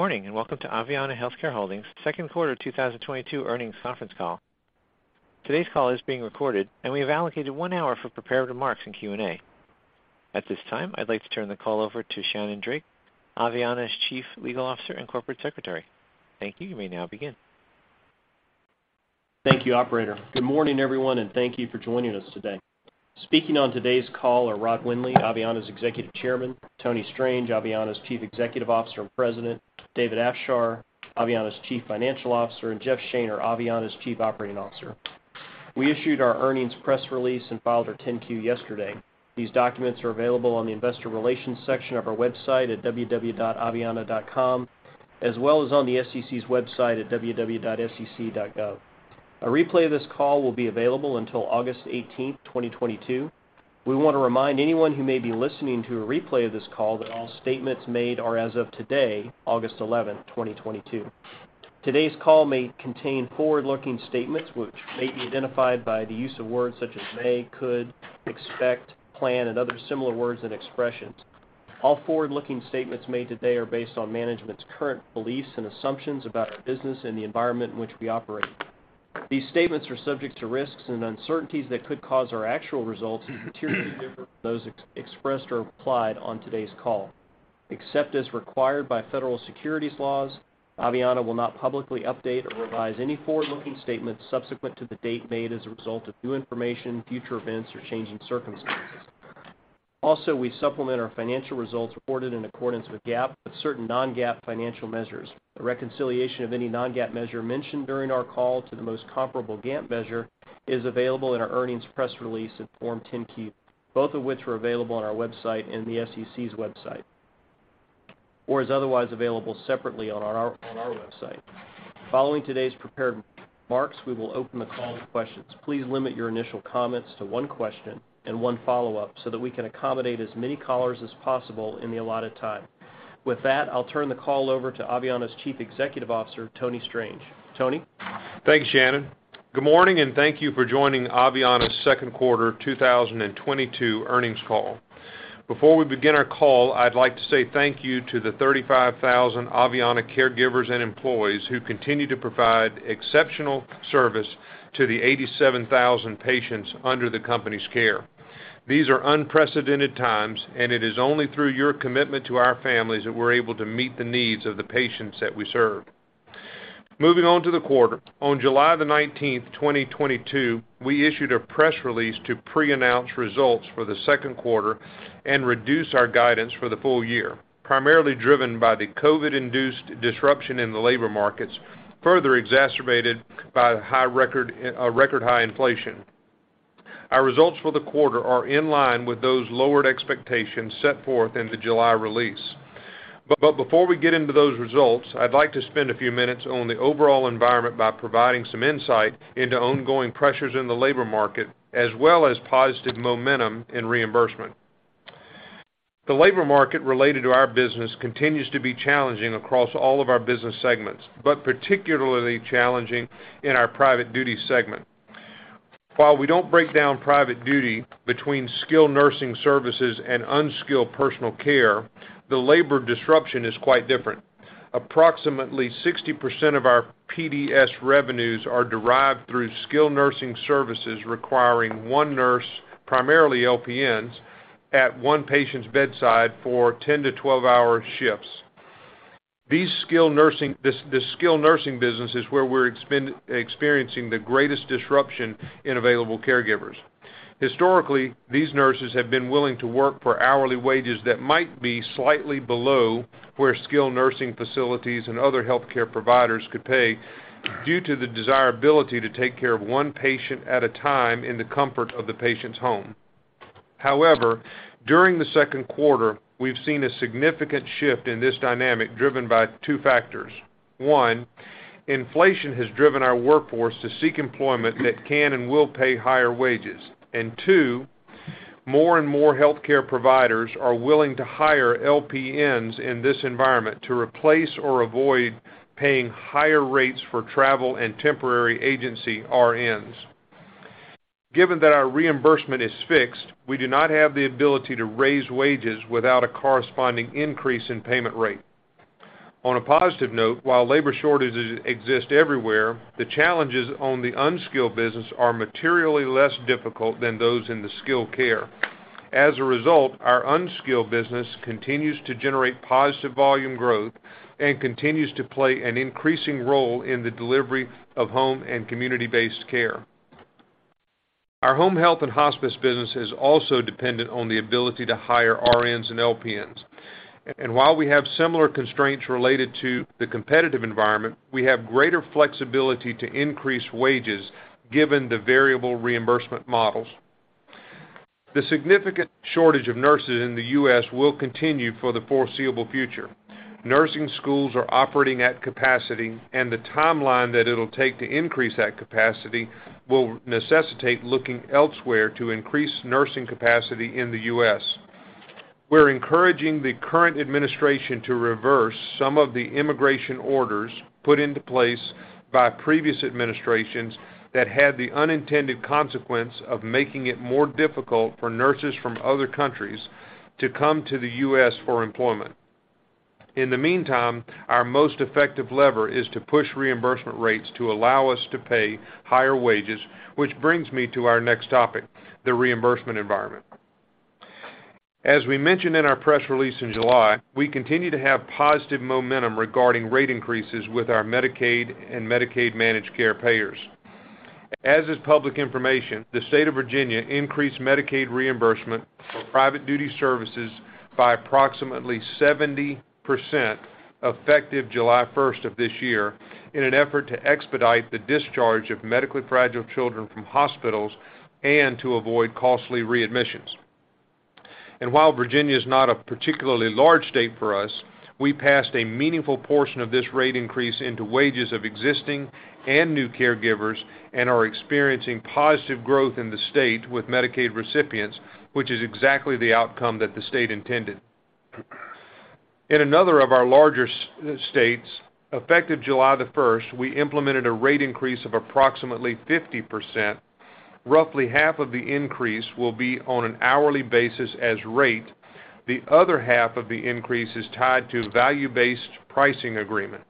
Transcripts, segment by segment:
Good morning, and welcome to Aveanna Healthcare Holdings Second Quarter 2022 Earnings Conference Ccall. Today's call is being recorded, and we have allocated one hour for prepared remarks and Q&A. At this time, I'd like to turn the call over to Shannon Drake, Aveanna's Chief Legal Officer and Corporate Secretary. Thank you. You may now begin. Thank you, operator. Good morning, everyone, and thank you for joining us today. Speaking on today's call are Rod Windley, Aveanna's Executive Chairman, Tony Strange, Aveanna's Chief Executive Officer and President, David Afshar, Aveanna's Chief Financial Officer, and Jeff Shaner, Aveanna's Chief Operating Officer. We issued our earnings press release and filed our 10-Q yesterday. These documents are available on the investor relations section of our website at www.aveanna.com, as well as on the SEC's website at www.sec.gov. A replay of this call will be available until August 18th, 2022. We want to remind anyone who may be listening to a replay of this call that all statements made are as of today, August 11th, 2022. Today's call may contain forward-looking statements which may be identified by the use of words such as may, could, expect, plan, and other similar words and expressions. All forward-looking statements made today are based on management's current beliefs and assumptions about our business and the environment in which we operate. These statements are subject to risks and uncertainties that could cause our actual results to materially differ from those expressed or implied on today's call. Except as required by federal securities laws, Aveanna will not publicly update or revise any forward-looking statements subsequent to the date made as a result of new information, future events, or changing circumstances. Also, we supplement our financial results reported in accordance with GAAP with certain non-GAAP financial measures. A reconciliation of any non-GAAP measure mentioned during our call to the most comparable GAAP measure is available in our earnings press release and Form 10-Q, both of which are available on our website and the SEC's website, or is otherwise available separately on our website. Following today's prepared remarks, we will open the call to questions. Please limit your initial comments to one question and one follow-up so that we can accommodate as many callers as possible in the allotted time. With that, I'll turn the call over to Aveanna's Chief Executive Officer, Tony Strange. Tony. Thanks, Shannon. Good morning, and thank you for joining Aveanna's second quarter 2022 earnings call. Before we begin our call, I'd like to say thank you to the 35,000 Aveanna caregivers and employees who continue to provide exceptional service to the 87,000 patients under the company's care. These are unprecedented times, and it is only through your commitment to our families that we're able to meet the needs of the patients that we serve. Moving on to the quarter. On July 19, 2022, we issued a press release to preannounce results for the second quarter and reduce our guidance for the full year, primarily driven by the COVID-induced disruption in the labor markets, further exacerbated by record high inflation. Our results for the quarter are in line with those lowered expectations set forth in the July release. Before we get into those results, I'd like to spend a few minutes on the overall environment by providing some insight into ongoing pressures in the labor market, as well as positive momentum in reimbursement. The labor market related to our business continues to be challenging across all of our business segments, but particularly challenging in our private duty segment. While we don't break down private duty between skilled nursing services and unskilled personal care, the labor disruption is quite different. Approximately 60% of our PDS revenues are derived through skilled nursing services, requiring one nurse, primarily LPNs, at one patient's bedside for 10-12 hour shifts. This skilled nursing business is where we're experiencing the greatest disruption in available caregivers. Historically, these nurses have been willing to work for hourly wages that might be slightly below where skilled nursing facilities and other healthcare providers could pay due to the desirability to take care of one patient at a time in the comfort of the patient's home. However, during the second quarter, we've seen a significant shift in this dynamic, driven by two factors. One, inflation has driven our workforce to seek employment that can and will pay higher wages. And two, more and more healthcare providers are willing to hire LPNs in this environment to replace or avoid paying higher rates for travel and temporary agency RNs. Given that our reimbursement is fixed, we do not have the ability to raise wages without a corresponding increase in payment rate. On a positive note, while labor shortages exist everywhere, the challenges on the unskilled business are materially less difficult than those in the skilled care. As a result, our unskilled business continues to generate positive volume growth and continues to play an increasing role in the delivery of home and community-based care. Our home health and hospice business is also dependent on the ability to hire RNs and LPNs. While we have similar constraints related to the competitive environment, we have greater flexibility to increase wages given the variable reimbursement models. The significant shortage of nurses in the U.S. will continue for the foreseeable future. Nursing schools are operating at capacity, and the timeline that it'll take to increase that capacity will necessitate looking elsewhere to increase nursing capacity in the U.S. We're encouraging the current administration to reverse some of the immigration orders put into place by previous administrations that had the unintended consequence of making it more difficult for nurses from other countries to come to the U.S. for employment. In the meantime, our most effective lever is to push reimbursement rates to allow us to pay higher wages, which brings me to our next topic, the reimbursement environment. As we mentioned in our press release in July, we continue to have positive momentum regarding rate increases with our Medicaid and Medicaid managed care payers. As is public information, the state of Virginia increased Medicaid reimbursement for private duty services by approximately 70%, effective July 1st of this year in an effort to expedite the discharge of medically fragile children from hospitals and to avoid costly readmissions. And while Virginia is not a particularly large state for us, we passed a meaningful portion of this rate increase into wages of existing and new caregivers and are experiencing positive growth in the state with Medicaid recipients, which is exactly the outcome that the state intended. In another of our larger states, effective July 1st, we implemented a rate increase of approximately 50%. Roughly half of the increase will be on an hourly basis rate. The other half of the increase is tied to value-based pricing agreement.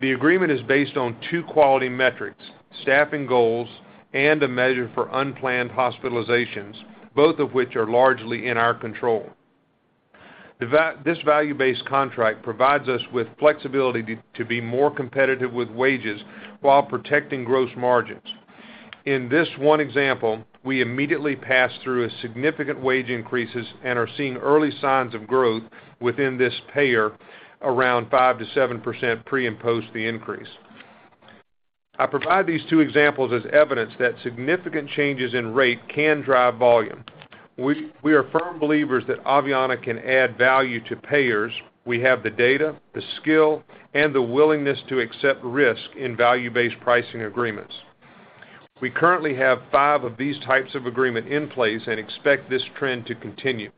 The agreement is based on two quality metrics, staffing goals, and a measure for unplanned hospitalizations, both of which are largely in our control. This value-based contract provides us with flexibility to be more competitive with wages while protecting gross margins. In this one example, we immediately pass through a significant wage increases and are seeing early signs of growth within this payer around 5%-7% pre and post the increase. I provide these two examples as evidence that significant changes in rate can drive volume. We are firm believers that Aveanna can add value to payers. We have the data, the skill, and the willingness to accept risk in value-based pricing agreements. We currently have five of these types of agreement in place and expect this trend to continue.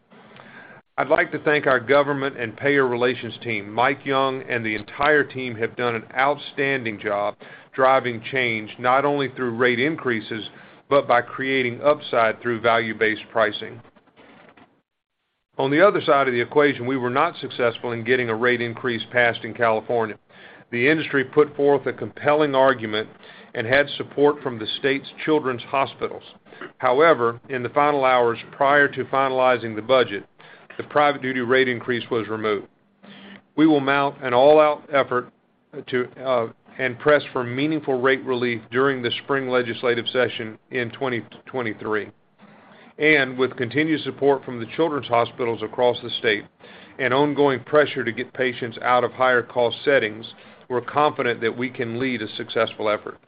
I'd like to thank our government and payer relations team. Mike Young and the entire team have done an outstanding job driving change not only through rate increases, but by creating upside through value-based pricing. On the other side of the equation, we were not successful in getting a rate increase passed in California. The industry put forth a compelling argument and had support from the state's children's hospitals. However, in the final hours prior to finalizing the budget, the private duty rate increase was removed. We will mount an all-out effort to and press for meaningful rate relief during the spring legislative session in 2023. And with continued support from the children's hospitals across the state and ongoing pressure to get patients out of higher cost settings, we're confident that we can lead a successful effort.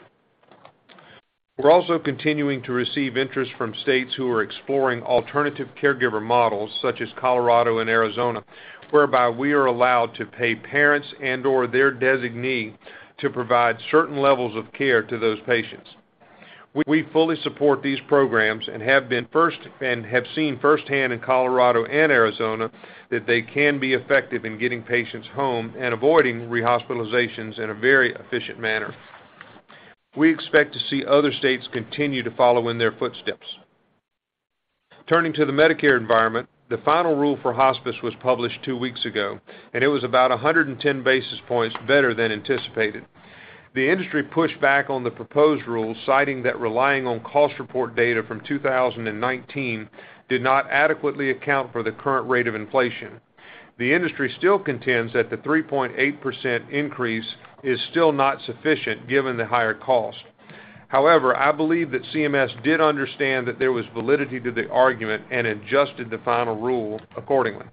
We're also continuing to receive interest from states who are exploring alternative caregiver models such as Colorado and Arizona, whereby we are allowed to pay parents and/or their designee to provide certain levels of care to those patients. We fully support these programs and have seen firsthand in Colorado and Arizona that they can be effective in getting patients home and avoiding rehospitalizations in a very efficient manner. We expect to see other states continue to follow in their footsteps. Turning to the Medicare environment, the final rule for hospice was published two weeks ago, and it was about 110 basis points better than anticipated. The industry pushed back on the proposed rules, citing that relying on cost report data from 2019 did not adequately account for the current rate of inflation. The industry still contends that the 3.8% increase is still not sufficient given the higher cost. However, I believe that CMS did understand that there was validity to the argument and adjusted the final rule accordingly.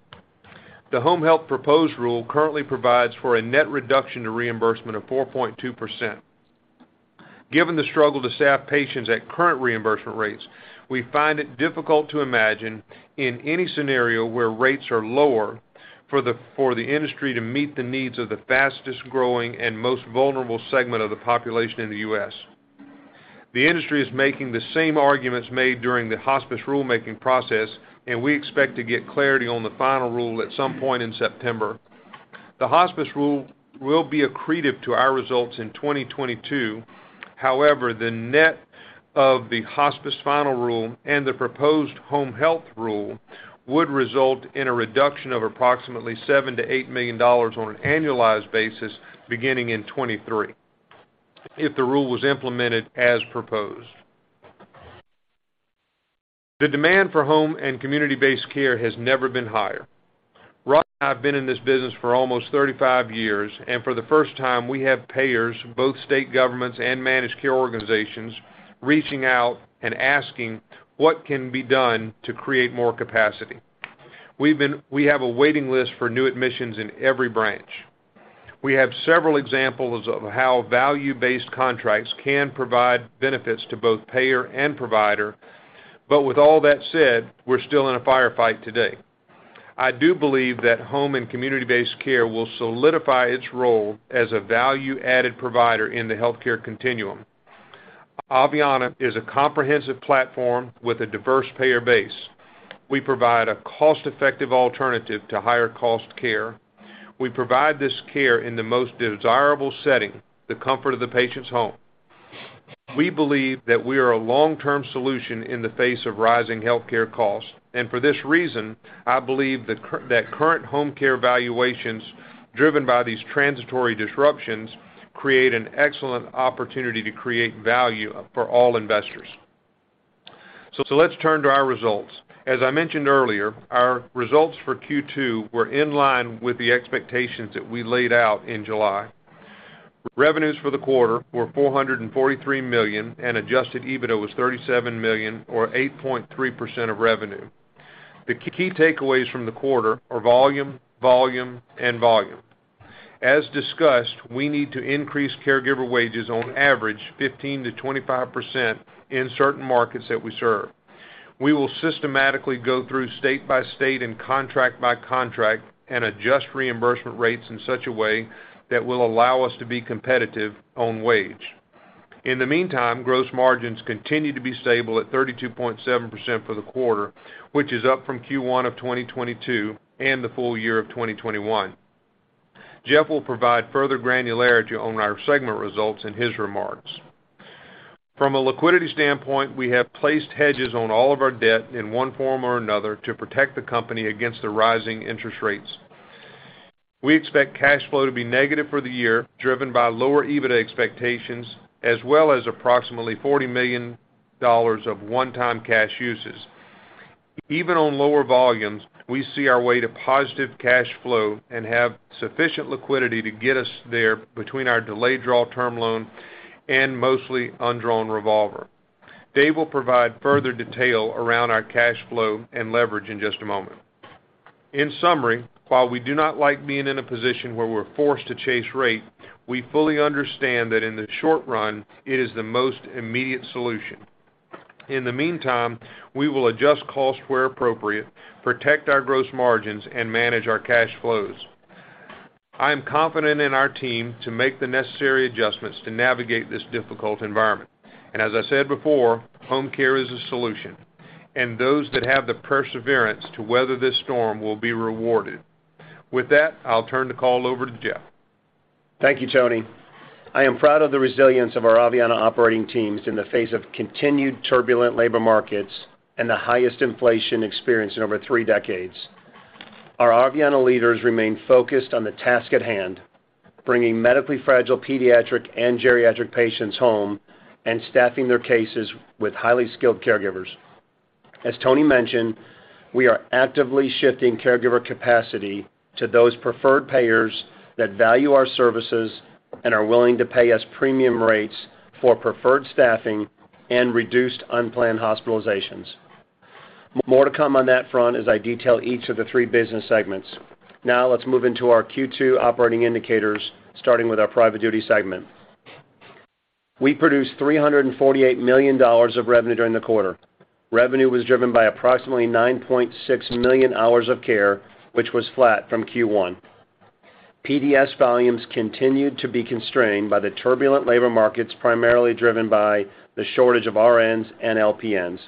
The home health proposed rule currently provides for a net reduction to reimbursement of 4.2%. Given the struggle to staff patients at current reimbursement rates, we find it difficult to imagine in any scenario where rates are lower for the industry to meet the needs of the fastest-growing and most vulnerable segment of the population in the U.S. The industry is making the same arguments made during the hospice rulemaking process, and we expect to get clarity on the final rule at some point in September. The hospice rule will be accretive to our results in 2022. However, the net of the hospice final rule and the proposed home health rule would result in a reduction of approximately $7 million-$8 million on an annualized basis beginning in 2023 if the rule was implemented as proposed. The demand for home and community-based care has never been higher. Rob and I've been in this business for almost 35 years, and for the first time, we have payers, both state governments and managed care organizations, reaching out and asking what can be done to create more capacity. We have a waiting list for new admissions in every branch. We have several examples of how value-based contracts can provide benefits to both payer and provider. Bur with all that said, we're still in a firefight today. I do believe that home and community-based care will solidify its role as a value-added provider in the healthcare continuum. Aveanna is a comprehensive platform with a diverse payer base. We provide a cost-effective alternative to higher cost care. We provide this care in the most desirable setting, the comfort of the patient's home. We believe that we are a long-term solution in the face of rising healthcare costs. For this reason, I believe that current home care valuations driven by these transitory disruptions create an excellent opportunity to create value for all investors. Let's turn to our results. As I mentioned earlier, our results for Q2 were in line with the expectations that we laid out in July. Revenues for the quarter were $443 million, and adjusted EBITDA was $37 million or 8.3% of revenue. The key takeaways from the quarter are volume, and volume. As discussed, we need to increase caregiver wages on average 15%-25% in certain markets that we serve. We will systematically go through state by state and contract by contract and adjust reimbursement rates in such a way that will allow us to be competitive on wage. In the meantime, gross margins continue to be stable at 32.7% for the quarter, which is up from Q1 of 2022 and the full year of 2021. Jeff will provide further granularity on our segment results in his remarks. From a liquidity standpoint, we have placed hedges on all of our debt in one form or another to protect the company against the rising interest rates. We expect cash flow to be negative for the year, driven by lower EBITDA expectations, as well as approximately $40 million of one-time cash uses. Even on lower volumes, we see our way to positive cash flow and have sufficient liquidity to get us there between our delayed draw term loan and mostly undrawn revolver. David will provide further detail around our cash flow and leverage in just a moment. In summary, while we do not like being in a position where we're forced to chase rate, we fully understand that in the short run, it is the most immediate solution. In the meantime, we will adjust costs where appropriate, protect our gross margins, and manage our cash flows. I am confident in our team to make the necessary adjustments to navigate this difficult environment. As I said before, home care is a solution, and those that have the perseverance to weather this storm will be rewarded. With that, I'll turn the call over to Jeff. Thank you, Tony. I am proud of the resilience of our Aveanna operating teams in the face of continued turbulent labor markets and the highest inflation experienced in over three decades. Our Aveanna leaders remain focused on the task at hand, bringing medically fragile pediatric and geriatric patients home and staffing their cases with highly skilled caregivers. As Tony mentioned, we are actively shifting caregiver capacity to those preferred payers that value our services and are willing to pay us premium rates for preferred staffing and reduced unplanned hospitalizations. More to come on that front as I detail each of the three business segments. Now let's move into our Q2 operating indicators, starting with our Private Duty segment. We produced $348 million of revenue during the quarter. Revenue was driven by approximately 9.6 million hours of care, which was flat from Q1. PDS volumes continued to be constrained by the turbulent labor markets, primarily driven by the shortage of RNs and LPNs.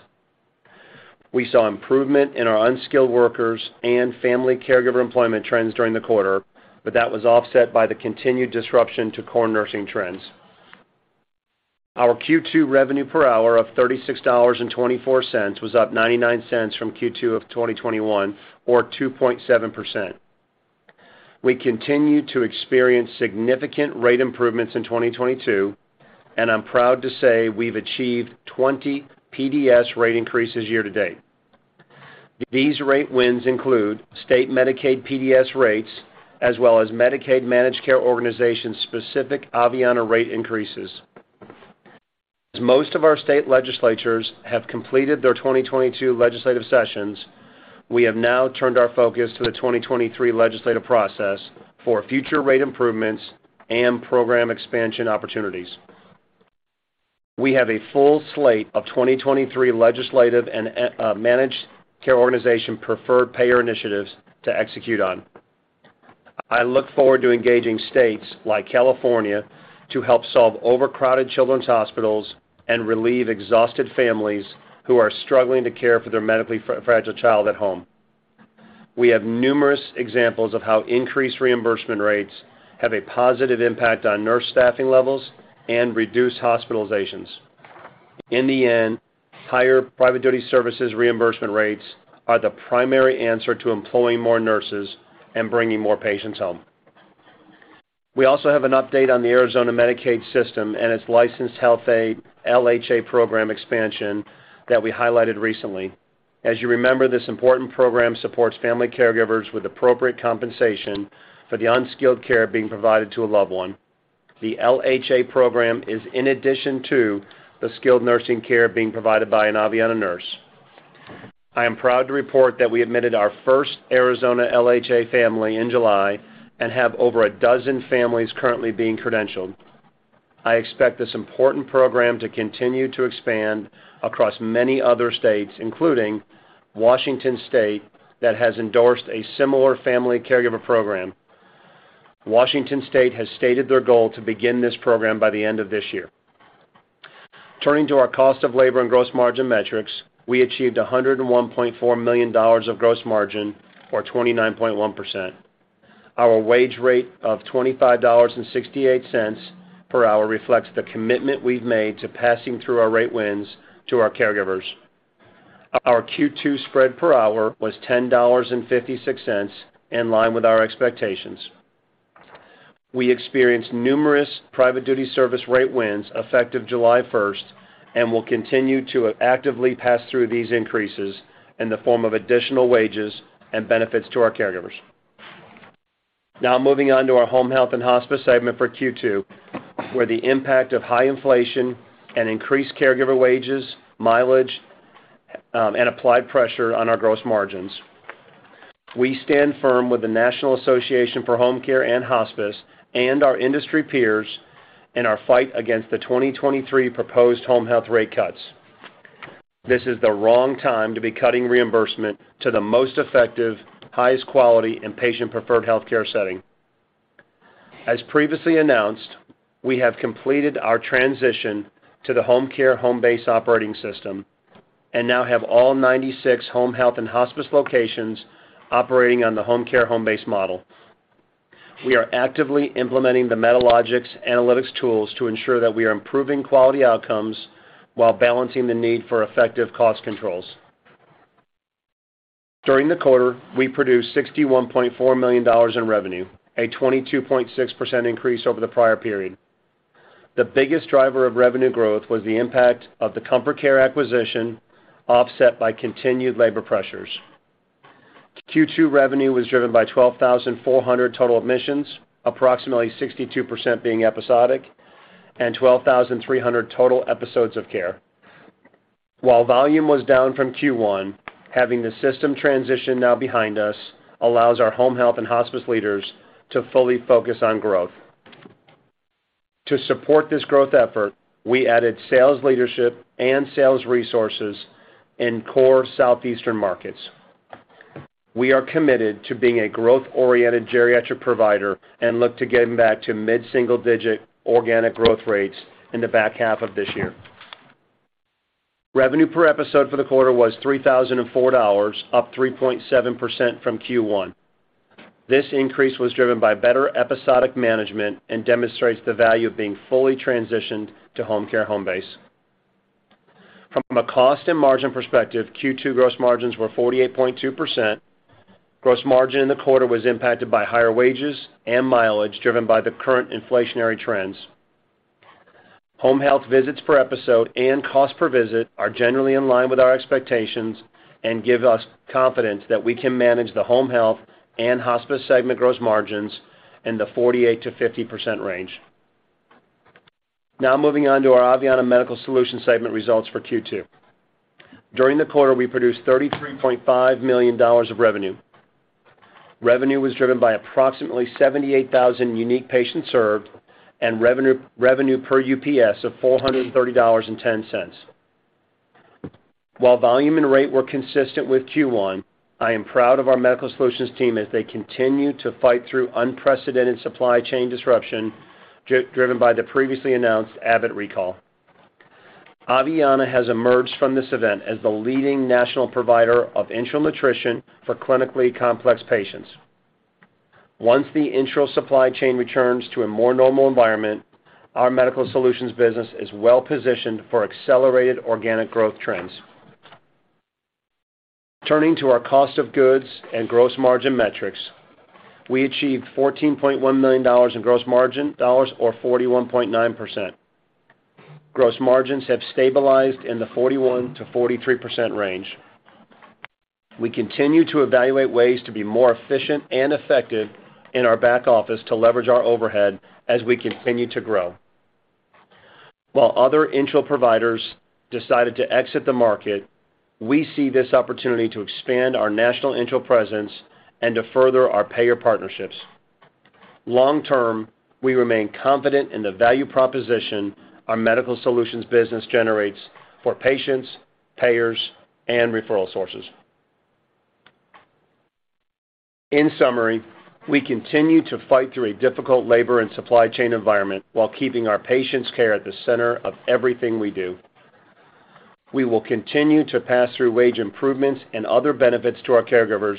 We saw improvement in our unskilled workers and family caregiver employment trends during the quarter, but that was offset by the continued disruption to core nursing trends. Our Q2 revenue per hour of $36.24 was up $0.99 from Q2 of 2021 or 2.7%. We continue to experience significant rate improvements in 2022, and I'm proud to say we've achieved 20 PDS rate increases year to date. These rate wins include state Medicaid PDS rates, as well as Medicaid managed care organization specific Aveanna rate increases. Most of our state legislatures have completed their 2022 legislative sessions. We have now turned our focus to the 2023 legislative process for future rate improvements and program expansion opportunities. We have a full slate of 2023 legislative and managed care organization preferred payer initiatives to execute on. I look forward to engaging states like California to help solve overcrowded children's hospitals and relieve exhausted families who are struggling to care for their medically fragile child at home. We have numerous examples of how increased reimbursement rates have a positive impact on nurse staffing levels and reduced hospitalizations. In the end, higher Private Duty Services reimbursement rates are the primary answer to employing more nurses and bringing more patients home. We also have an update on the Arizona Medicaid system and its licensed health aide, LHA program expansion that we highlighted recently. As you remember, this important program supports family caregivers with appropriate compensation for the unskilled care being provided to a loved one. The LHA program is in addition to the skilled nursing care being provided by an Aveanna nurse. I am proud to report that we admitted our first Arizona LHA family in July and have over a dozen families currently being credentialed. I expect this important program to continue to expand across many other states, including Washington State, that has endorsed a similar family caregiver program. Washington State has stated their goal to begin this program by the end of this year. Turning to our cost of labor and gross margin metrics, we achieved $101.4 million of gross margin or 29.1%. Our wage rate of $25.68 per hour reflects the commitment we've made to passing through our rate wins to our caregivers. Our Q2 spread per hour was $10.56, in line with our expectations. We experienced numerous Private Duty Services rate wins effective July 1st, and will continue to actively pass through these increases in the form of additional wages and benefits to our caregivers. Now moving on to our Home Health & Hospice segment for Q2, where the impact of high inflation and increased caregiver wages, mileage, and applied pressure on our gross margins. We stand firm with the National Association for Home Care and Hospice and our industry peers in our fight against the 2023 proposed home health rate cuts. This is the wrong time to be cutting reimbursement to the most effective, highest quality, and patient-preferred healthcare setting. As previously announced, we have completed our transition to Homecare Homebase, and now have all 96 Home Health & Hospice locations operating on the Homecare Homebase model. We are actively implementing the Medalogix analytics tools to ensure that we are improving quality outcomes while balancing the need for effective cost controls. During the quarter, we produced $61.4 million in revenue, a 22.6% increase over the prior period. The biggest driver of revenue growth was the impact of the Comfort Care acquisition, offset by continued labor pressures. Q2 revenue was driven by 12,400 total admissions, approximately 62% being episodic, and 12,300 total episodes of care. While volume was down from Q1, having the system transition now behind us allows our home health and hospice leaders to fully focus on growth. To support this growth effort, we added sales leadership and sales resources in core Southeastern markets. We are committed to being a growth-oriented geriatric provider and look to getting back to mid-single digit organic growth rates in the back half of this year. Revenue per episode for the quarter was $3,004, up 3.7% from Q1. This increase was driven by better episodic management and demonstrates the value of being fully transitioned to Homecare Homebase. From a cost and margin perspective, Q2 gross margins were 48.2%. Gross margin in the quarter was impacted by higher wages and mileage driven by the current inflationary trends. Home health visits per episode and cost per visit are generally in line with our expectations and give us confidence that we can manage the Home Health & Hospice segment gross margins in the 48%-50% range. Now moving on to our Aveanna Medical Solutions segment results for Q2. During the quarter, we produced $33.5 million of revenue. Revenue was driven by approximately 78,000 unique patients served and revenue per UPS of $430.10. While volume and rate were consistent with Q1, I am proud of our Medical Solutions team as they continue to fight through unprecedented supply chain disruption, driven by the previously announced Abbott recall. Aveanna has emerged from this event as the leading national provider of enteral nutrition for clinically complex patients. Once the enteral supply chain returns to a more normal environment, our Medical Solutions business is well positioned for accelerated organic growth trends. Turning to our cost of goods and gross margin metrics, we achieved $14.1 million in gross margin dollars or 41.9%. Gross margins have stabilized in the 41%-43% range. We continue to evaluate ways to be more efficient and effective in our back office to leverage our overhead as we continue to grow. While other enteral providers decided to exit the market, we see this opportunity to expand our national enteral presence and to further our payer partnerships. Long term, we remain confident in the value proposition our Medical Solutions business generates for patients, payers, and referral sources. In summary, we continue to fight through a difficult labor and supply chain environment while keeping our patients' care at the center of everything we do. We will continue to pass through wage improvements and other benefits to our caregivers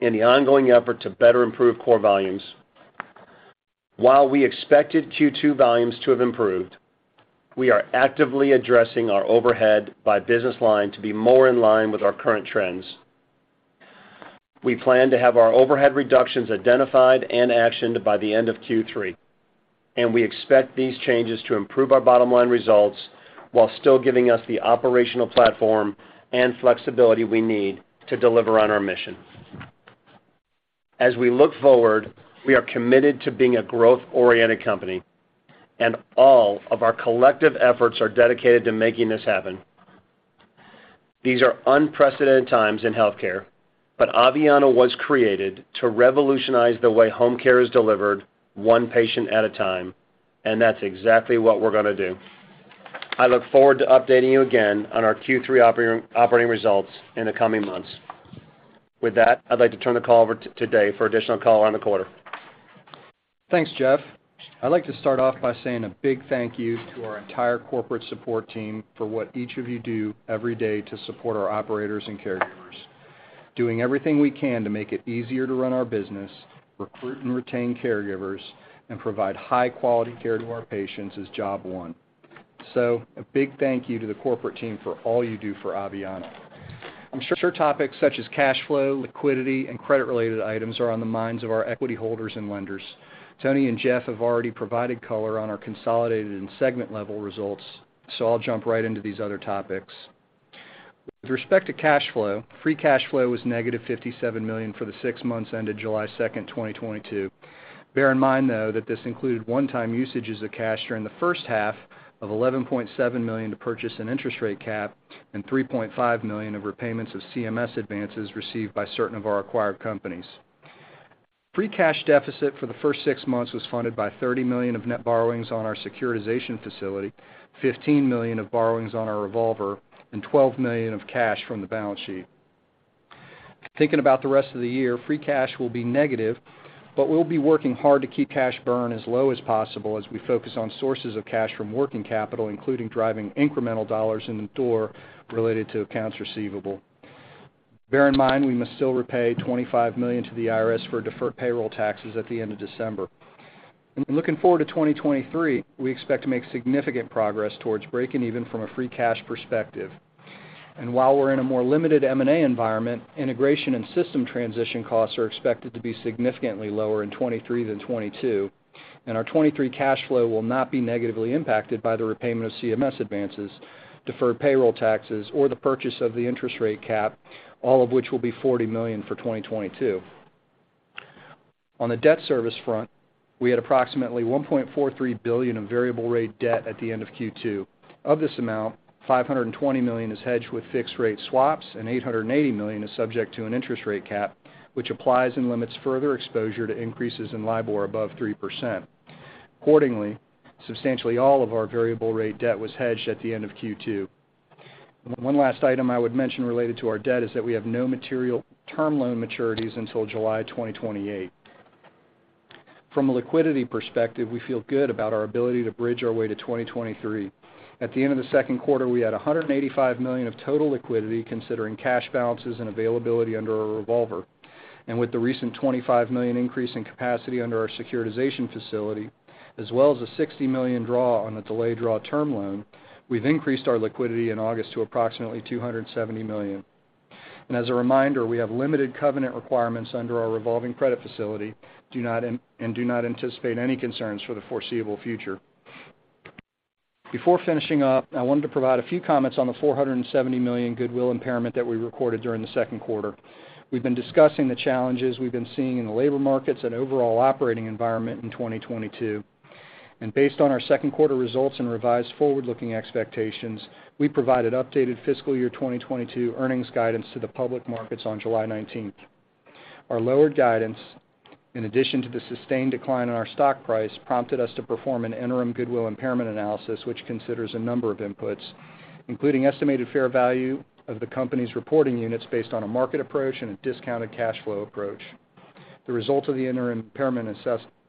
in the ongoing effort to better improve core volumes. While we expected Q2 volumes to have improved, we are actively addressing our overhead by business line to be more in line with our current trends. We plan to have our overhead reductions identified and actioned by the end of Q3, and we expect these changes to improve our bottom line results while still giving us the operational platform and flexibility we need to deliver on our mission. As we look forward, we are committed to being a growth-oriented company, and all of our collective efforts are dedicated to making this happen. These are unprecedented times in healthcare, but Aveanna was created to revolutionize the way home care is delivered one patient at a time, and that's exactly what we're gonna do. I look forward to updating you again on our Q3 operating results in the coming months. With that, I'd like to turn the call over to David for additional color on the quarter. Thanks, Jeff. I'd like to start off by saying a big thank you to our entire corporate support team for what each of you do every day to support our operators and caregivers. Doing everything we can to make it easier to run our business, recruit and retain caregivers, and provide high quality care to our patients is job one. So a big thank you to the corporate team for all you do for Aveanna. I'm sure topics such as cash flow, liquidity, and credit related items are on the minds of our equity holders and lenders. Tony and Jeff have already provided color on our consolidated and segment level results, so I'll jump right into these other topics. With respect to cash flow, free cash flow was negative $57 million for the six months ended July 2nd, 2022. Bear in mind, though, that this included one-time uses of cash during the first half of $11.7 million to purchase an interest rate cap and $3.5 million of repayments of CMS advances received by certain of our acquired companies. Free cash deficit for the first six months was funded by $30 million of net borrowings on our securitization facility, $15 million of borrowings on our revolver, and $12 million of cash from the balance sheet. Thinking about the rest of the year, free cash will be negative, but we'll be working hard to keep cash burn as low as possible as we focus on sources of cash from working capital, including driving incremental dollars in the door related to accounts receivable. Bear in mind, we must still repay $25 million to the IRS for deferred payroll taxes at the end of December. Then looking forward to 2023, we expect to make significant progress towards breaking even from a free cash perspective. And while we're in a more limited M&A environment, integration and system transition costs are expected to be significantly lower in 2023 than 2022, and our 2023 cash flow will not be negatively impacted by the repayment of CMS advances, deferred payroll taxes, or the purchase of the interest rate cap, all of which will be $40 million for 2022. On the debt service front, we had approximately $1.43 billion of variable rate debt at the end of Q2. Of this amount, $520 million is hedged with fixed rate swaps, and $880 million is subject to an interest rate cap, which applies and limits further exposure to increases in LIBOR above 3%. Accordingly, substantially all of our variable rate debt was hedged at the end of Q2. One last item I would mention related to our debt is that we have no material term loan maturities until July 2028. From a liquidity perspective, we feel good about our ability to bridge our way to 2023. At the end of the second quarter, we had $185 million of total liquidity considering cash balances and availability under our revolver. Andwith the recent $25 million increase in capacity under our securitization facility, as well as a $60 million draw on a delayed draw term loan, we've increased our liquidity in August to approximately $270 million. As a reminder, we have limited covenant requirements under our revolving credit facility and do not anticipate any concerns for the foreseeable future. Before finishing up, I wanted to provide a few comments on the $470 million goodwill impairment that we recorded during the second quarter. We've been discussing the challenges we've been seeing in the labor markets and overall operating environment in 2022. And based on our second quarter results and revised forward-looking expectations, we provided updated fiscal year 2022 earnings guidance to the public markets on July 19. Our lowered guidance, in addition to the sustained decline in our stock price, prompted us to perform an interim goodwill impairment analysis, which considers a number of inputs, including estimated fair value of the company's reporting units based on a market approach and a discounted cash flow approach. The result of the interim impairment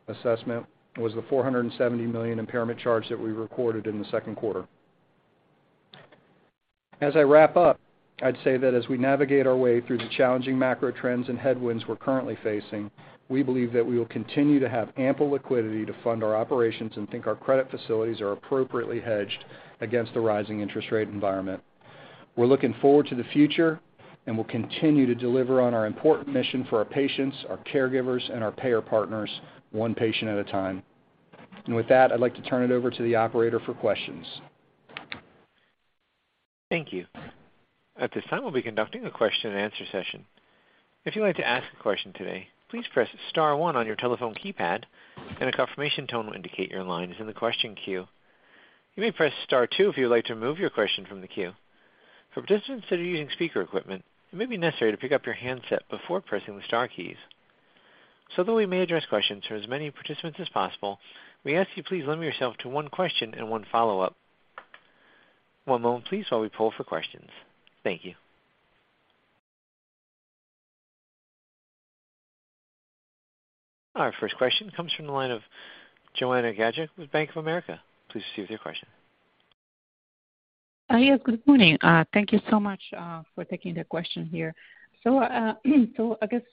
assessment was the $470 million impairment charge that we recorded in the second quarter. As I wrap up, I'd say that as we navigate our way through the challenging macro trends and headwinds we're currently facing, we believe that we will continue to have ample liquidity to fund our operations and think our credit facilities are appropriately hedged against the rising interest rate environment. We're looking forward to the future, and we'll continue to deliver on our important mission for our patients, our caregivers, and our payer partners, one patient at a time. With that, I'd like to turn it over to the operator for questions. Thank you. At this time, we'll be conducting a question and answer session. If you'd like to ask a question today, please press star one on your telephone keypad, and a confirmation tone will indicate your line is in the question queue. You may press star two if you would like to remove your question from the queue. For participants that are using speaker equipment, it may be necessary to pick up your handset before pressing the star keys. That we may address questions for as many participants as possible, we ask you please limit yourself to one question and one follow-up. One moment please while we poll for questions. Thank you. Our first question comes from the line of Joanna Gajuk with Bank of America. Please proceed with your question. Yes, good morning. Thank you so much for taking the question here. I guess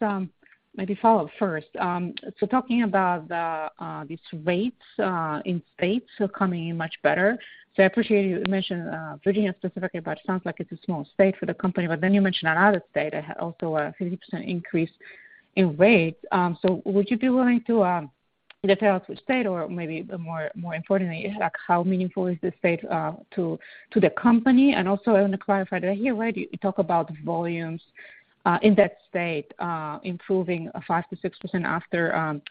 maybe follow up first. Talking about these rates in states are coming in much better. I appreciate you mentioned Virginia specifically, but it sounds like it's a small state for the company. Then you mentioned another state that had also a 50% increase in rates. Would you be willing to detail which state or maybe more importantly, like how meaningful is this state to the company? And also I want to clarify that I hear right, you talk about volumes in that state improving 5%-6%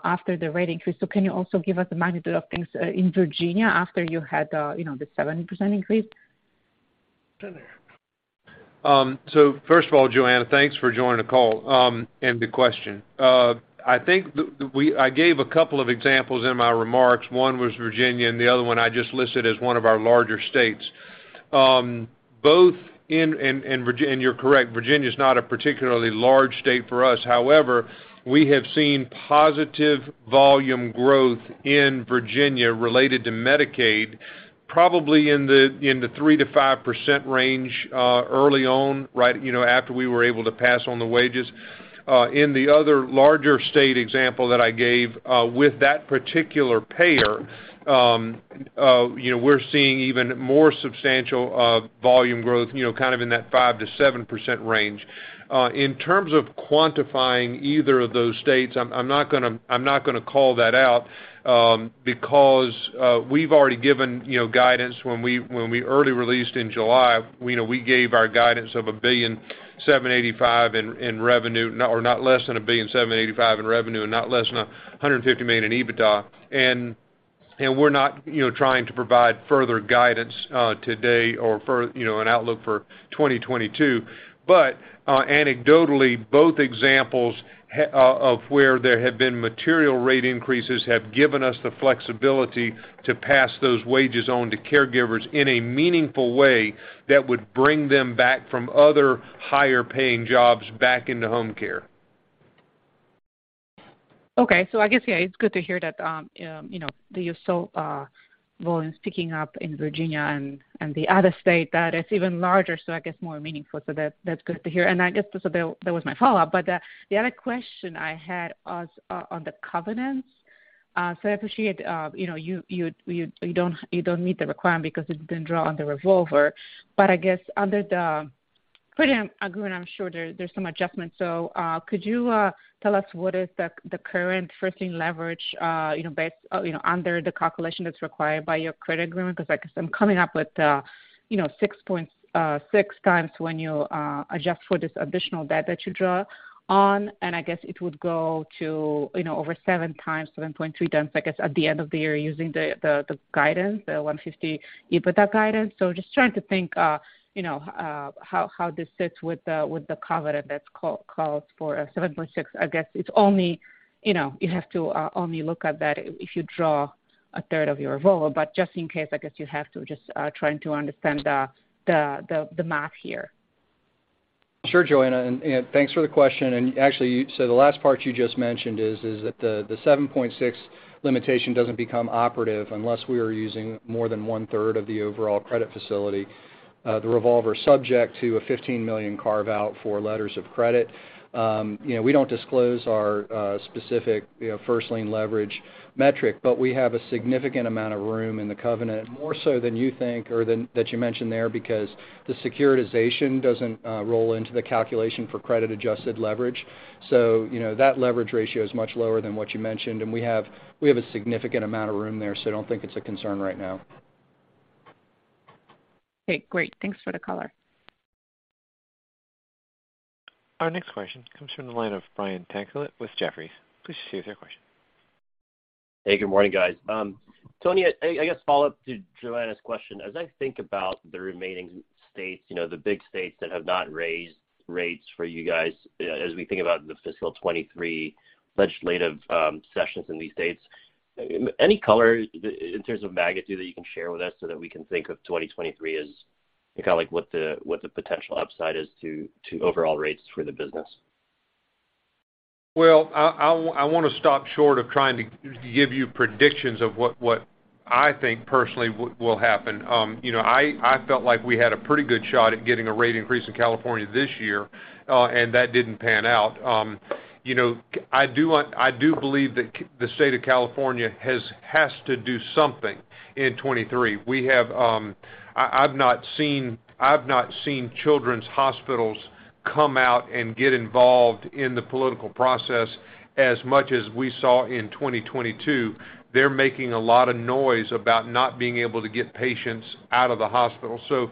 after the rate increase. Can you also give us the magnitude of things in Virginia after you had, you know, the 7% increase? First of all, Joanna, thanks for joining the call, and the question. I think I gave a couple of examples in my remarks. One was Virginia, and the other one I just listed as one of our larger states. Both in Virginia and you're correct, Virginia is not a particularly large state for us. However, we have seen positive volume growth in Virginia related to Medicaid, probably in the 3%-5% range, early on, right, you know, after we were able to pass on the wages. In the other larger state example that I gave, with that particular payer, you know, we're seeing even more substantial volume growth, you know, kind of in that 5%-7% range. In terms of quantifying either of those states, I'm not gonna call that out because we've already given, you know, guidance when we early released in July, you know, we gave our guidance of $1.785 billion in revenue, or not less than $1.785 billion in revenue, and not less than $150 million in EBITDA. And we're not, you know, trying to provide further guidance today or, you know, an outlook for 2022. But Anecdotally, both examples of where there have been material rate increases have given us the flexibility to pass those wages on to caregivers in a meaningful way that would bring them back from other higher paying jobs back into home care. Okay. I guess, yeah, it's good to hear that, you know, that you saw volumes picking up in Virginia and the other state that is even larger, so I guess more meaningful. That's good to hear. I guess that was my follow-up. The other question I had was on the covenants. I appreciate, you know, you don't meet the requirement because you didn't draw on the revolver. But I guess under the credit agreement, I'm sure there's some adjustments. So could you tell us what is the current first lien leverage, you know, under the calculation that's required by your credit agreement? I guess I'm coming up with, you know, 6.6x when you adjust for this additional debt that you draw on, and I guess it would go to, you know, over 7x, 7.2x, I guess, at the end of the year using the guidance, the $150 EBITDA guidance. Just trying to think, you know, how this sits with the covenant that's calls for a 7.6. I guess it's only, you know, you have to only look at that if you draw a third of your revolver. But just in case, I guess you have to just trying to understand the math here. Sure, Joanna, thanks for the question. Actually, the last part you just mentioned is that the 7.6 limitation doesn't become operative unless we are using more than 1/3 of the overall credit facility, the revolver subject to a $15 million carve-out for letters of credit. You know, we don't disclose our specific first lien leverage metric, but we have a significant amount of room in the covenant, more so than you think or than that you mentioned there because the securitization doesn't roll into the calculation for credit adjusted leverage. So you know, that leverage ratio is much lower than what you mentioned, and we have a significant amount of room there, so I don't think it's a concern right now. Okay, great. Thanks for the color. Our next question comes from the line of Brian Tanquilut with Jefferies. Please proceed with your question. Hey, good morning, guys. Tony, I guess follow up to Joanna's question. As I think about the remaining states, you know, the big states that have not raised rates for you guys as we think about the fiscal 2023 legislative sessions in these states, any color in terms of magnitude that you can share with us so that we can think of 2023 as kinda like what the potential upside is to overall rates for the business? Well, I wanna stop short of trying to give you predictions of what I think personally will happen. You know, I felt like we had a pretty good shot at getting a rate increase in California this year, and that didn't pan out. You know, I do believe that the state of California has to do something in 2023. I've not seen children's hospitals come out and get involved in the political process as much as we saw in 2022. They're making a lot of noise about not being able to get patients out of the hospital. So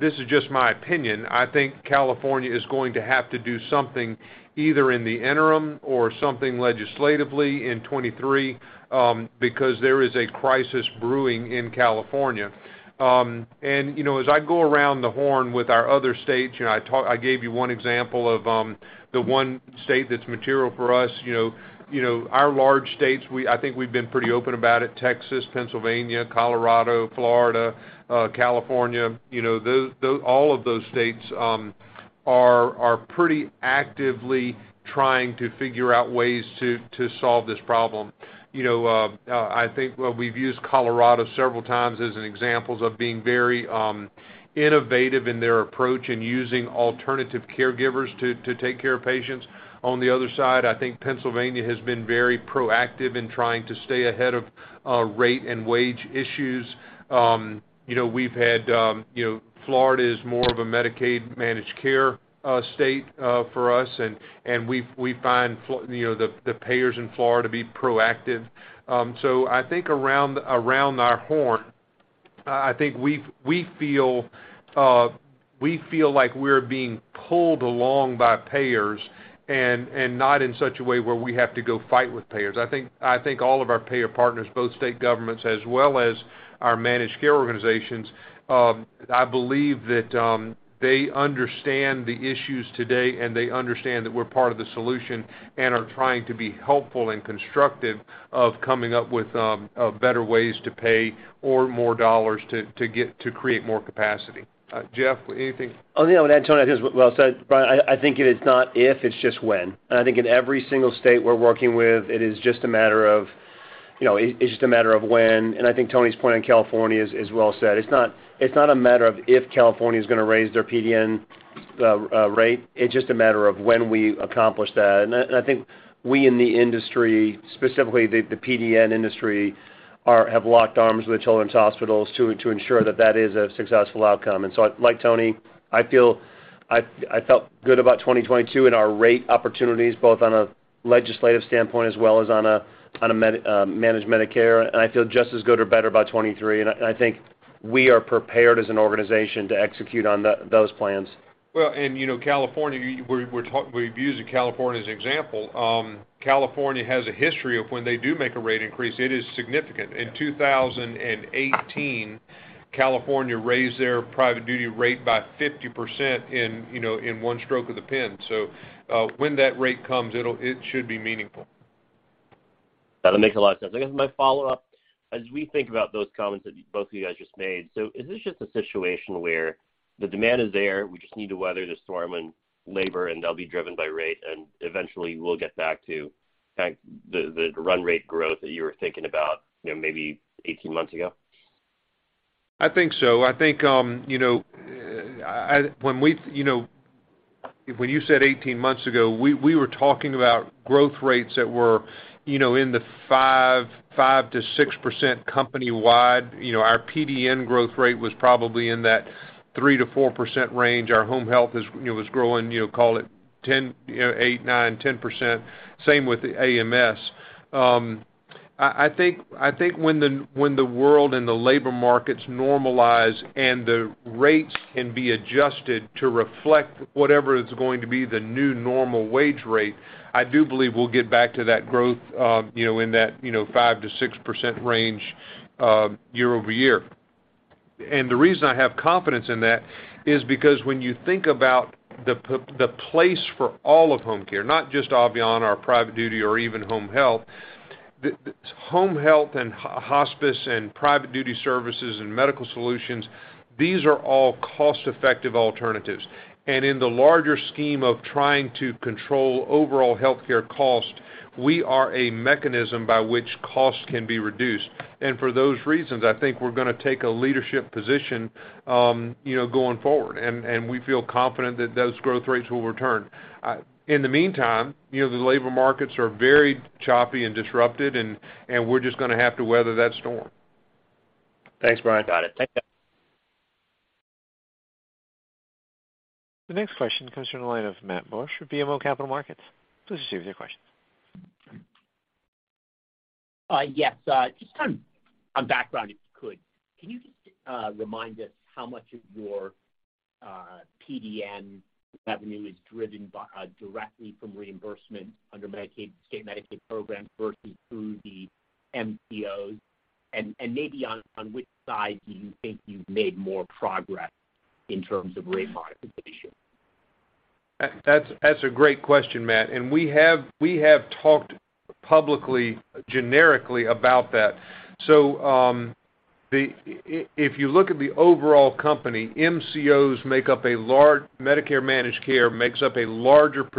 this is just my opinion, I think California is going to have to do something either in the interim or something legislatively in 2023, because there is a crisis brewing in California. And you know, as I go around the horn with our other states, you know, I gave you one example of the one state that's material for us. You know, our large states, I think we've been pretty open about it, Texas, Pennsylvania, Colorado, Florida, California. You know, all of those states are pretty actively trying to figure out ways to solve this problem. You know, I think, well, we've used Colorado several times as an example of being very innovative in their approach in using alternative caregivers to take care of patients. On the other side, I think Pennsylvania has been very proactive in trying to stay ahead of rate and wage issues. You know, Florida is more of a Medicaid managed care state for us, and we find the payers in Florida to be proactive. So I think around our horn, I think we feel like we're being pulled along by payers and not in such a way where we have to go fight with payers. I think all of our payer partners, both state governments as well as our managed care organizations, And I believe that they understand the issues today, and they understand that we're part of the solution and are trying to be helpful and constructive of coming up with better ways to pay or more dollars to create more capacity. Jeff, anything? Oh, yeah. What Tony just well said, Brian, I think it is not if, it's just when. I think in every single state we're working with, it is just a matter of, you know, it's just a matter of when, and I think Tony's point on California is well said. It's not a matter of if California's gonna raise their PDN rate. It's just a matter of when we accomplish that. I think we in the industry, specifically the PDN industry have locked arms with children's hospitals to ensure that is a successful outcome. Like Tony, I feel, I felt good about 2022 and our rate opportunities, both on a legislative standpoint as well as on a Medicaid managed care. I feel just as good or better about 2023. I think we are prepared as an organization to execute on those plans. Well, you know, California, we've used California as an example. California has a history of when they do make a rate increase, it is significant. In 2018, California raised their private duty rate by 50%, you know, in one stroke of the pen. When that rate comes, it should be meaningful. That makes a lot of sense. I guess my follow-up, as we think about those comments that both of you guys just made, so is this just a situation where the demand is there, we just need to weather the storm and labor, and they'll be driven by rate, and eventually we'll get back to, in fact, the run rate growth that you were thinking about, you know, maybe 18 months ago? I think so. I think, you know, when we, you know, when you said 18 months ago, we were talking about growth rates that were, you know, in the 5%-6% company-wide. You know, our PDN growth rate was probably in that 3%-4% range. Our home health was growing, you know, call it 8%-10%, same with the AMS. I think when the world and the labor markets normalize and the rates can be adjusted to reflect whatever is going to be the new normal wage rate, I do believe we'll get back to that growth, you know, in that 5%-6% range year-over-year. And the reason I have confidence in that is because when you think about the place for all of home care, not just Aveanna or private duty or even home health. The home health and hospice and private duty services and medical solutions, these are all cost-effective alternatives. In the larger scheme of trying to control overall healthcare cost, we are a mechanism by which costs can be reduced. And for those reasons, I think we're gonna take a leadership position, you know, going forward, and we feel confident that those growth rates will return. In the meantime, you know, the labor markets are very choppy and disrupted, and we're just gonna have to weather that storm. Thanks, Brian. Got it. Thank you. The next question comes from the line of Matt Borsch with BMO Capital Markets. Please proceed with your question. Yes, just on background, if you could. Can you just remind us how much of your PDN revenue is driven by directly from reimbursement under Medicaid, state Medicaid programs versus through the MCOs? And maybe on which side do you think you've made more progress in terms of rate modification? That's a great question, Matt, and we have talked publicly, generically about that. So if you look at the overall company, Medicare managed care makes up a larger